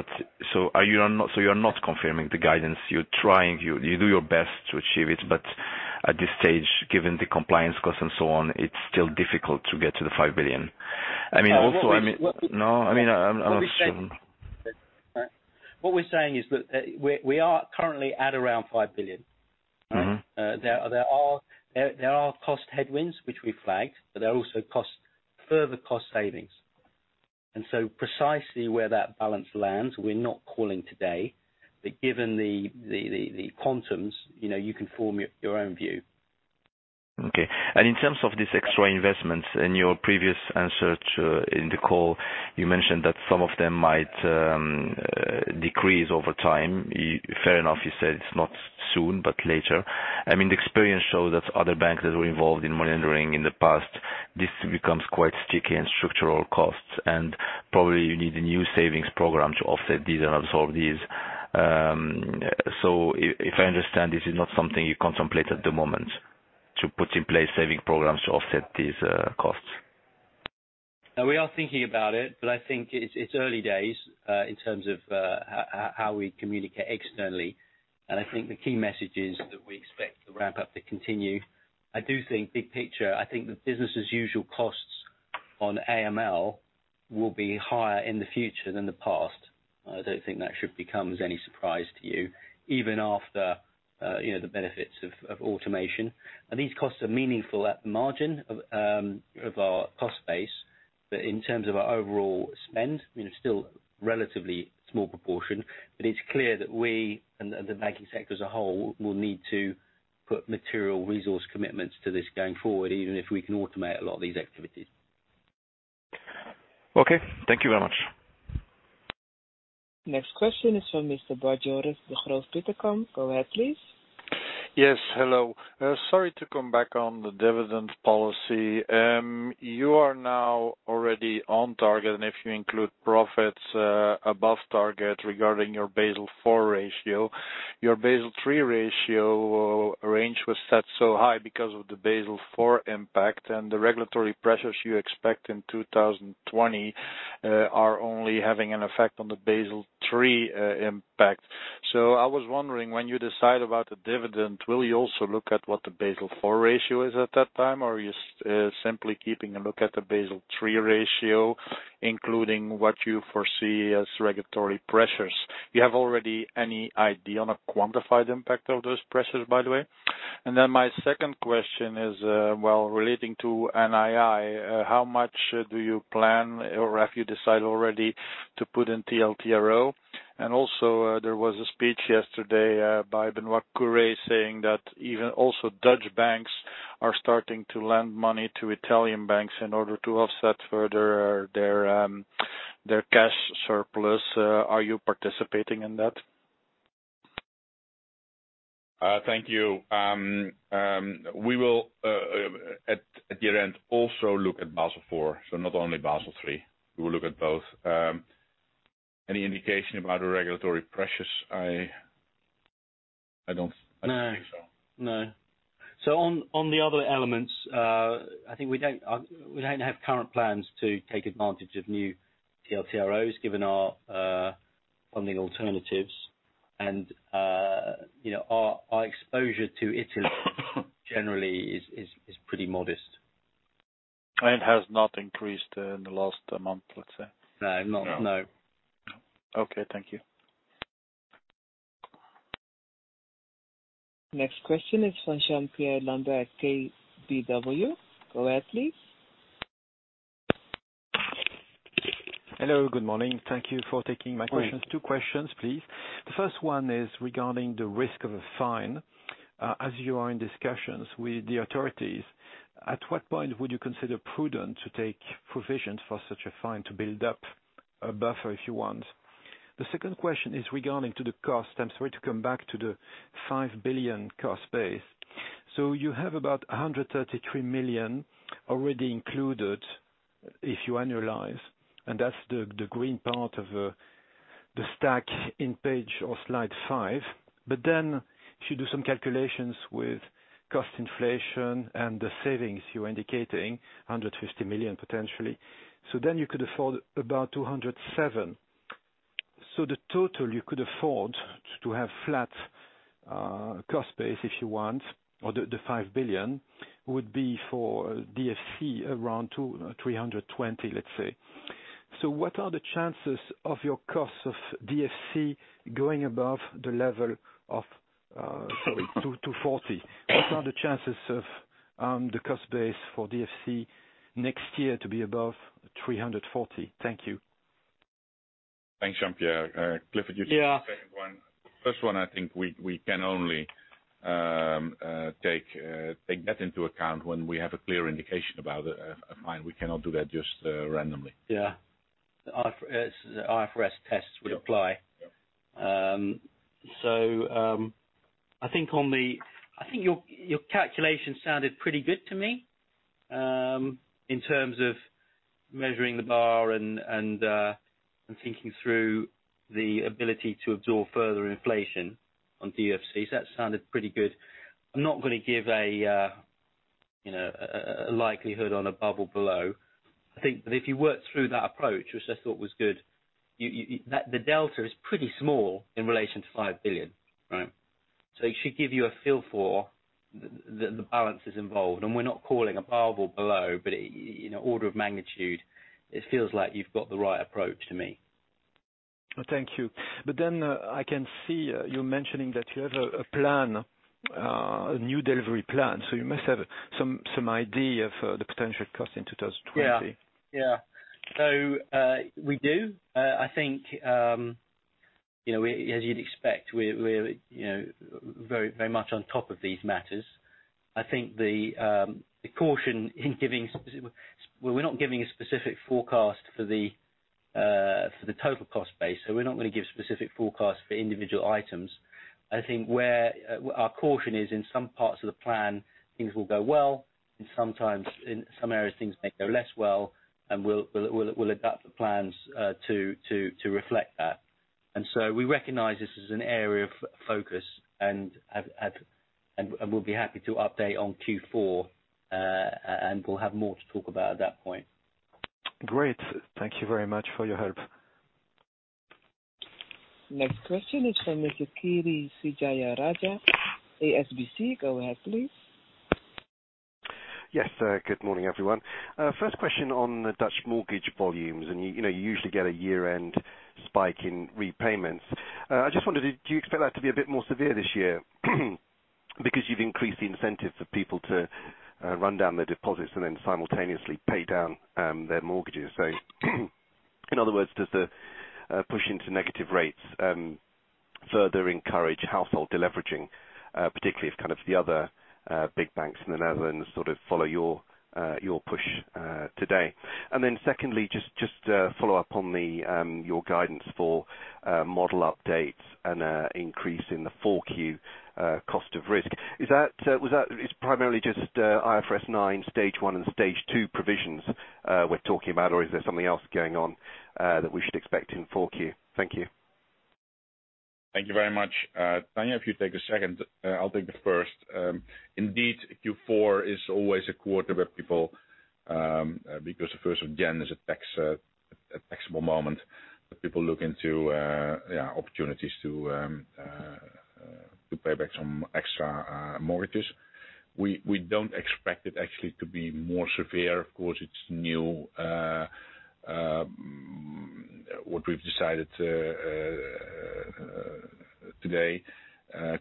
So you're not confirming the guidance. You're trying. You do your best to achieve it, but at this stage, given the compliance costs and so on, it's still difficult to get to the 5 billion. What we're saying- No, I'm not sure. What we're saying is that we are currently at around 5 billion. There are cost headwinds, which we flagged, but there are also further cost savings. Precisely where that balance lands, we're not calling today. Given the quantums, you can form your own view. Okay. In terms of these extra investments, in your previous answer in the call, you mentioned that some of them might decrease over time. Fair enough, you said it's not soon, but later. The experience shows that other banks that were involved in monitoring in the past. This becomes quite sticky in structural costs, and probably you need a new savings program to offset these and absorb these. If I understand, this is not something you contemplate at the moment, to put in place saving programs to offset these costs. No, we are thinking about it, but I think it's early days in terms of how we communicate externally, and I think the key message is that we expect the ramp-up to continue. I do think big picture, I think the business' usual costs on AML will be higher in the future than the past. I don't think that should become as any surprise to you, even after the benefits of automation. These costs are meaningful at the margin of our cost base. In terms of our overall spend, still relatively small proportion, but it's clear that we and the banking sector as a whole will need to put material resource commitments to this going forward, even if we can automate a lot of these activities. Okay. Thank you very much. Next question is from Mr. Bart Jooris, Degroof Petercam. Go ahead, please. Yes. Hello. Sorry to come back on the dividend policy. You are now already on target. If you include profits above target regarding your Basel IV ratio, your Basel III ratio range was set so high because of the Basel IV impact. The regulatory pressures you expect in 2020 are only having an effect on the Basel III impact. I was wondering, when you decide about the dividend, will you also look at what the Basel IV ratio is at that time, or are you simply keeping a look at the Basel III ratio, including what you foresee as regulatory pressures? Do you have already any idea on a quantified impact of those pressures, by the way? My second question is relating to NII, how much do you plan or have you decided already to put in TLTRO? Also there was a speech yesterday by Benoît Cœuré saying that even also Dutch banks are starting to lend money to Italian banks in order to offset further their cash surplus. Are you participating in that? Thank you. We will, at year-end, also look at Basel IV, not only Basel III. We will look at both. Any indication about the regulatory pressures? I don't think so. No. On the other elements, I think we don't have current plans to take advantage of new TLTROs given our funding alternatives and our exposure to Italy generally is pretty modest. Has not increased in the last month, let's say. No. No. Okay. Thank you. Next question is from Jean-Pierre Lambert at KBW. Go ahead, please. Hello, good morning. Thank Thank you for taking my questions. Two questions, please. The first one is regarding the risk of a fine. As you are in discussions with the authorities, at what point would you consider prudent to take provisions for such a fine to build up a buffer, if you want? The second question is regarding to the cost. I'm sorry to come back to the 5 billion cost base. You have about 133 million already included if you annualize, and that's the green part of the stack in page of slide five. If you do some calculations with cost inflation and the savings you're indicating, 150 million potentially, you could afford about 207 million. The total you could afford to have flat cost base, if you want, or the 5 billion, would be for DFC around 320 million, let's say. What are the chances of your costs of DFC going above the level of 240 million? What are the chances of the cost base for DFC next year to be above 340 million? Thank you. Thanks, Jean-Pierre. Clifford, you take the second one. First one, I think we can only take that into account when we have a clear indication about a fine. We cannot do that just randomly. Yeah. IFRS tests would apply. I think your calculation sounded pretty good to me, in terms of measuring the bar and thinking through the ability to absorb further inflation on DFCs. That sounded pretty good. I'm not going to give a likelihood on above or below. If you work through that approach, which I thought was good, the delta is pretty small in relation to 5 billion, right? It should give you a feel for the balances involved, and we're not calling above or below, but in order of magnitude, it feels like you've got the right approach to me. Thank you. I can see you're mentioning that you have a plan, a new delivery plan. You must have some idea of the potential cost in 2020. Yeah. We do. I think, as you'd expect, we're very much on top of these matters. I think the caution in giving, well, we're not giving a specific forecast for the, for the total cost base. We're not going to give specific forecasts for individual items. I think where our caution is, in some parts of the plan, things will go well, and sometimes in some areas things may go less well, and we'll adapt the plans to reflect that. We recognize this is an area of focus and we'll be happy to update on Q4, and we'll have more to talk about at that point. Great. Thank you very much for your help. Next question is from Mr. Kiri Vijayarajah, HSBC. Go ahead, please. Yes. Good morning, everyone. First question on the Dutch mortgage volumes, you usually get a year-end spike in repayments. I just wondered, do you expect that to be a bit more severe this year because you've increased the incentives for people to run down their deposits and then simultaneously pay down their mortgages? In other words, does the push into negative rates further encourage household deleveraging, particularly if the other big banks in the Netherlands follow your push today? Secondly, just to follow up on your guidance for model updates and increase in the 4Q cost of risk. It's primarily just IFRS 9 stage 1 and stage 2 provisions we're talking about, or is there something else going on that we should expect in 4Q? Thank you. Thank you very much. Tanja, if you take the second, I'll take the first. Indeed, Q4 is always a quarter where people, because the 1st of January is a taxable moment, people look into opportunities to pay back some extra mortgages. We don't expect it actually to be more severe. Of course, it's new, what we've decided today,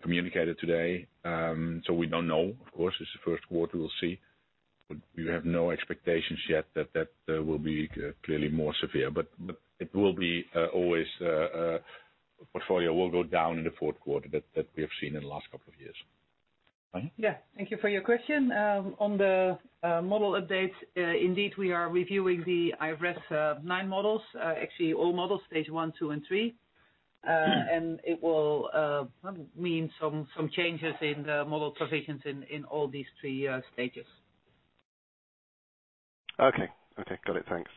communicated today. We don't know. Of course, it's the first quarter. We'll see. We have no expectations yet that that will be clearly more severe. Portfolio will go down in the fourth quarter, that we have seen in the last couple of years. Tanja? Thank you for your question. On the model updates, indeed, we are reviewing the IFRS 9 models. Actually, all models, stage 1, 2, and 3. It will probably mean some changes in the model provisions in all these three stages. Okay. Got it. Thanks.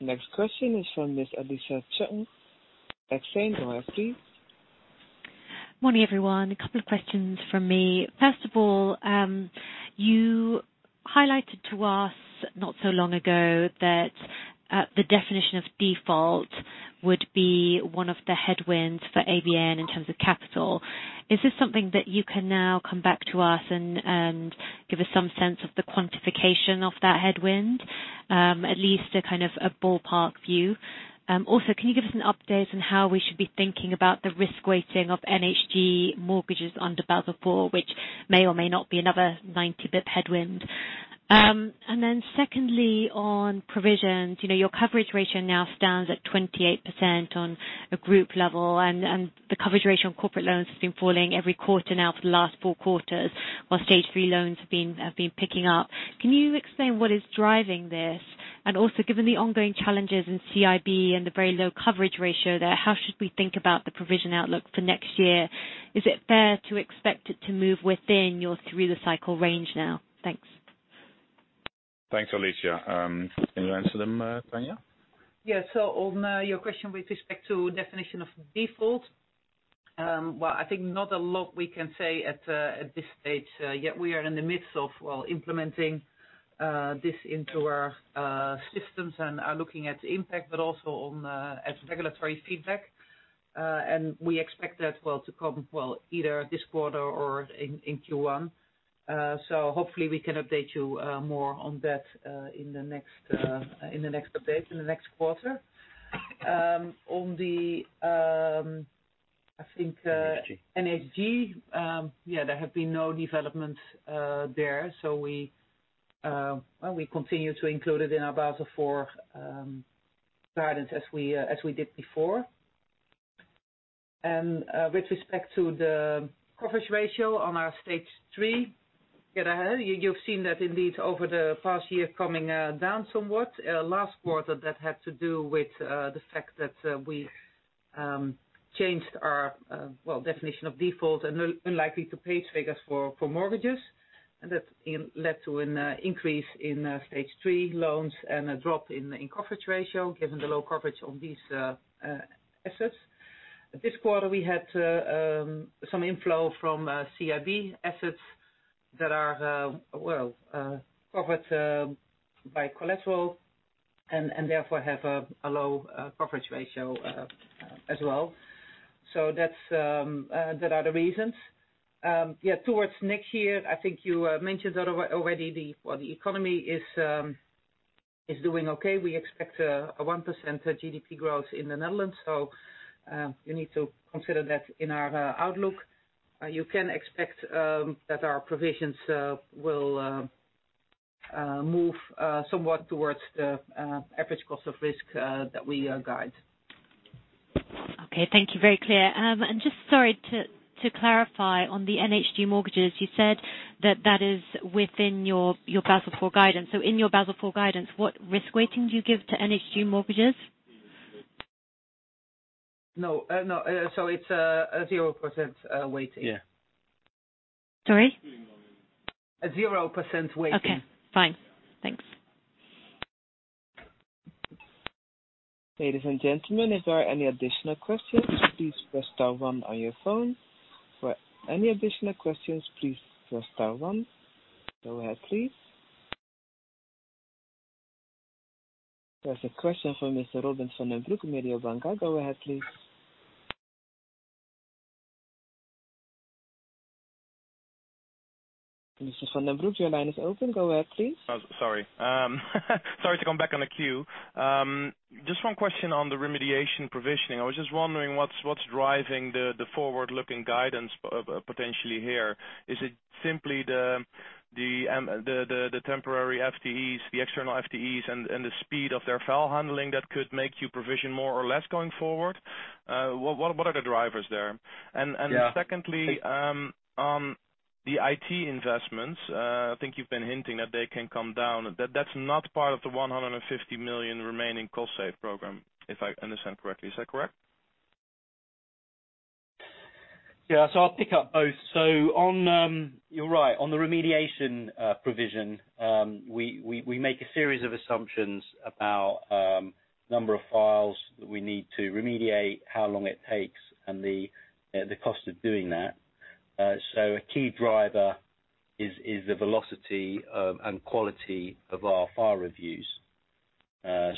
Next question is from Miss Alicia Chung, Exane. Go ahead, please. Morning, everyone. A couple of questions from me. First of all, you highlighted to us not so long ago that the definition of default would be one of the headwinds for ABN in terms of capital. Is this something that you can now come back to us and give us some sense of the quantification of that headwind? At least a ballpark view. Also, can you give us an update on how we should be thinking about the risk weighting of NHG mortgages under Basel IV, which may or may not be another 90 basis points headwind. Then secondly, on provisions, your coverage ratio now stands at 28% on a group level, and the coverage ratio on corporate loans has been falling every quarter now for the last four quarters, while stage 3 loans have been picking up. Can you explain what is driving this? Also, given the ongoing challenges in CIB and the very low coverage ratio there, how should we think about the provision outlook for next year? Is it fair to expect it to move within your through-the-cycle range now? Thanks. Thanks, Alicia. Can you answer them, Tanja? On your question with respect to definition of default, well, I think not a lot we can say at this stage yet. We are in the midst of implementing this into our systems and are looking at impact, but also at regulatory feedback. We expect that to come either this quarter or in Q1. Hopefully, we can update you more on that in the next update, in the next quarter. On the, I think, NHG, yeah, there have been no developments there, so we continue to include it in our Basel IV guidance as we did before. With respect to the coverage ratio on our stage 3, you've seen that indeed over the past year coming down somewhat. Last quarter, that had to do with the fact that we changed our definition of default and unlikely-to-pay figures for mortgages, and that led to an increase in stage 3 loans and a drop in coverage ratio, given the low coverage on these assets. This quarter, we had some inflow from CIB assets that are covered by collateral and therefore have a low coverage ratio as well. There are the reasons. Yeah, towards next year, I think you mentioned that already. The economy is doing okay. We expect a 1% GDP growth in the Netherlands. You need to consider that in our outlook. You can expect that our provisions will move somewhat towards the average cost of risk that we guide. Okay, thank you. Very clear. Just sorry to clarify on the NHG mortgages, you said that that is within your Basel IV guidance. In your Basel IV guidance, what risk weighting do you give to NHG mortgages? No. It's a 0% weighting. Sorry? A 0% weighting. Okay, fine. Thanks. Ladies and gentlemen, if there are any additional questions, please press star one on your phone. For any additional questions, please press star one. Go ahead, please. There is a question from Mr. Robin van den Broek, Mediobanca. Go ahead, please. Mr. van den Broek, your line is open. Go ahead, please. Sorry. Sorry to come back on the queue. Just one question on the remediation provisioning. I was just wondering what's driving the forward-looking guidance potentially here. Is it simply the temporary FTEs, the external FTEs, and the speed of their file handling that could make you provision more or less going forward? What are the drivers there? Secondly, on the IT investments, I think you've been hinting that they can come down. That's not part of the 150 million remaining cost-save program, if I understand correctly. Is that correct? Yeah. I'll pick up both. You're right. On the remediation provision, we make a series of assumptions about the number of files that we need to remediate, how long it takes, and the cost of doing that. A key driver is the velocity and quality of our file reviews. I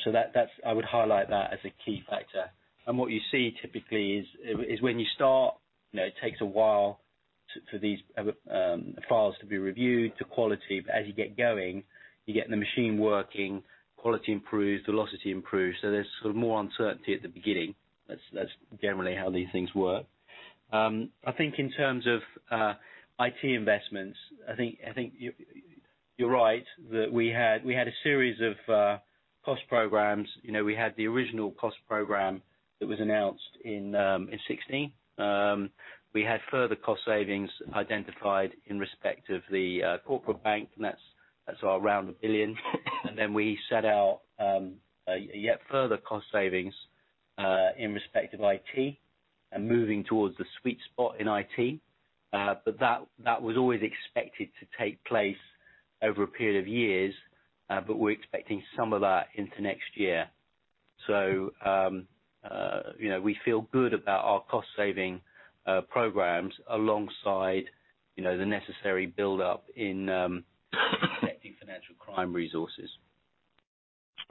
would highlight that as a key factor. What you see typically is when you start, it takes a while for these files to be reviewed to quality. As you get going, you get the machine working, quality improves, velocity improves. There's more uncertainty at the beginning. That's generally how these things work. I think in terms of IT investments, I think you're right that we had a series of cost programs. We had the original cost program that was announced in 2016. We had further cost savings identified in respect of the corporate bank. That's our round of 1 billion. Then we set out yet further cost savings in respect of IT and moving towards the sweet spot in IT. That was always expected to take place over a period of years, but we're expecting some of that into next year. We feel good about our cost-saving programs alongside the necessary buildup in detecting financial crime resources.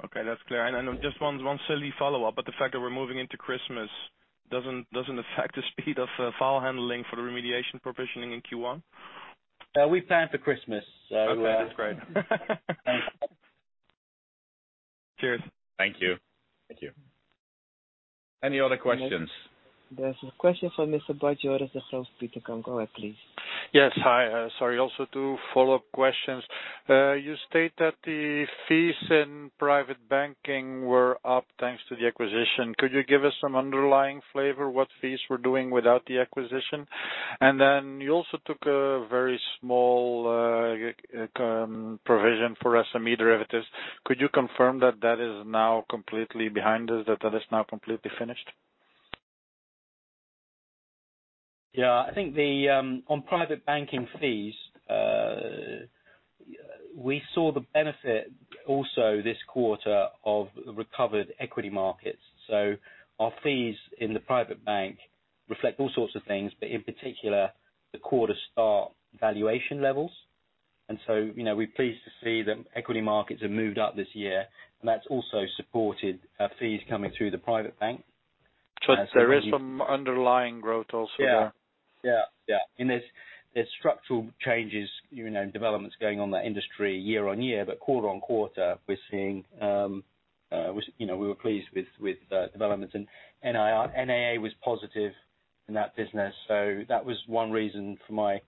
Okay, that's clear. Just one silly follow-up, but the fact that we're moving into Christmas doesn't affect the speed of file handling for the remediation provisioning in Q1? We plan for Christmas. Okay, that's great. Cheers. Thank you. Any other questions? There's a question from Mr. Bart Jooris, Degroof Petercam. Go ahead, please. Yes. Hi. Sorry, also two follow-up questions. You state that the fees in Private Banking were up, thanks to the acquisition. Could you give us some underlying flavor, what fees were doing without the acquisition? You also took a very small provision for SME derivatives. Could you confirm that that is now completely behind us, that that is now completely finished? Yeah. I think on Private Banking fees, we saw the benefit also this quarter of recovered equity markets. Our fees in the private bank reflect all sorts of things, but in particular, the quarter start valuation levels. We're pleased to see that equity markets have moved up this year, and that's also supported fees coming through the private bank. There is some underlying growth also there. Yeah. There's structural changes, developments going on in that industry year-on-year, but quarter-on-quarter, we were pleased with developments and NII was positive in that business. That was one reason for my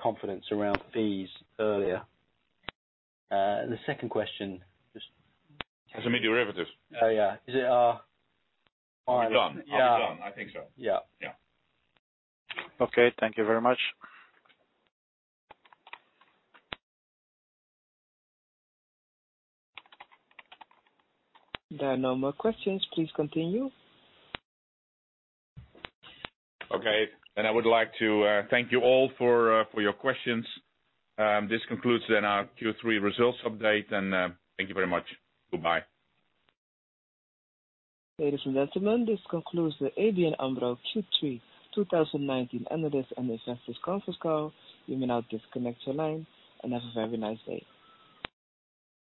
confidence around fees earlier. The second question- SME derivatives? Oh, yeah. Is it- It's done. Are we done? Yeah. I think so, yes. Okay. Thank you very much. There are no more questions. Please continue. Okay. I would like to thank you all for your questions. This concludes our Q3 results update, and thank you very much. Goodbye. Ladies and gentlemen, this concludes the ABN AMRO Q3 2019 Analyst and Investors Conference Call. You may now disconnect your line, and have a very nice day.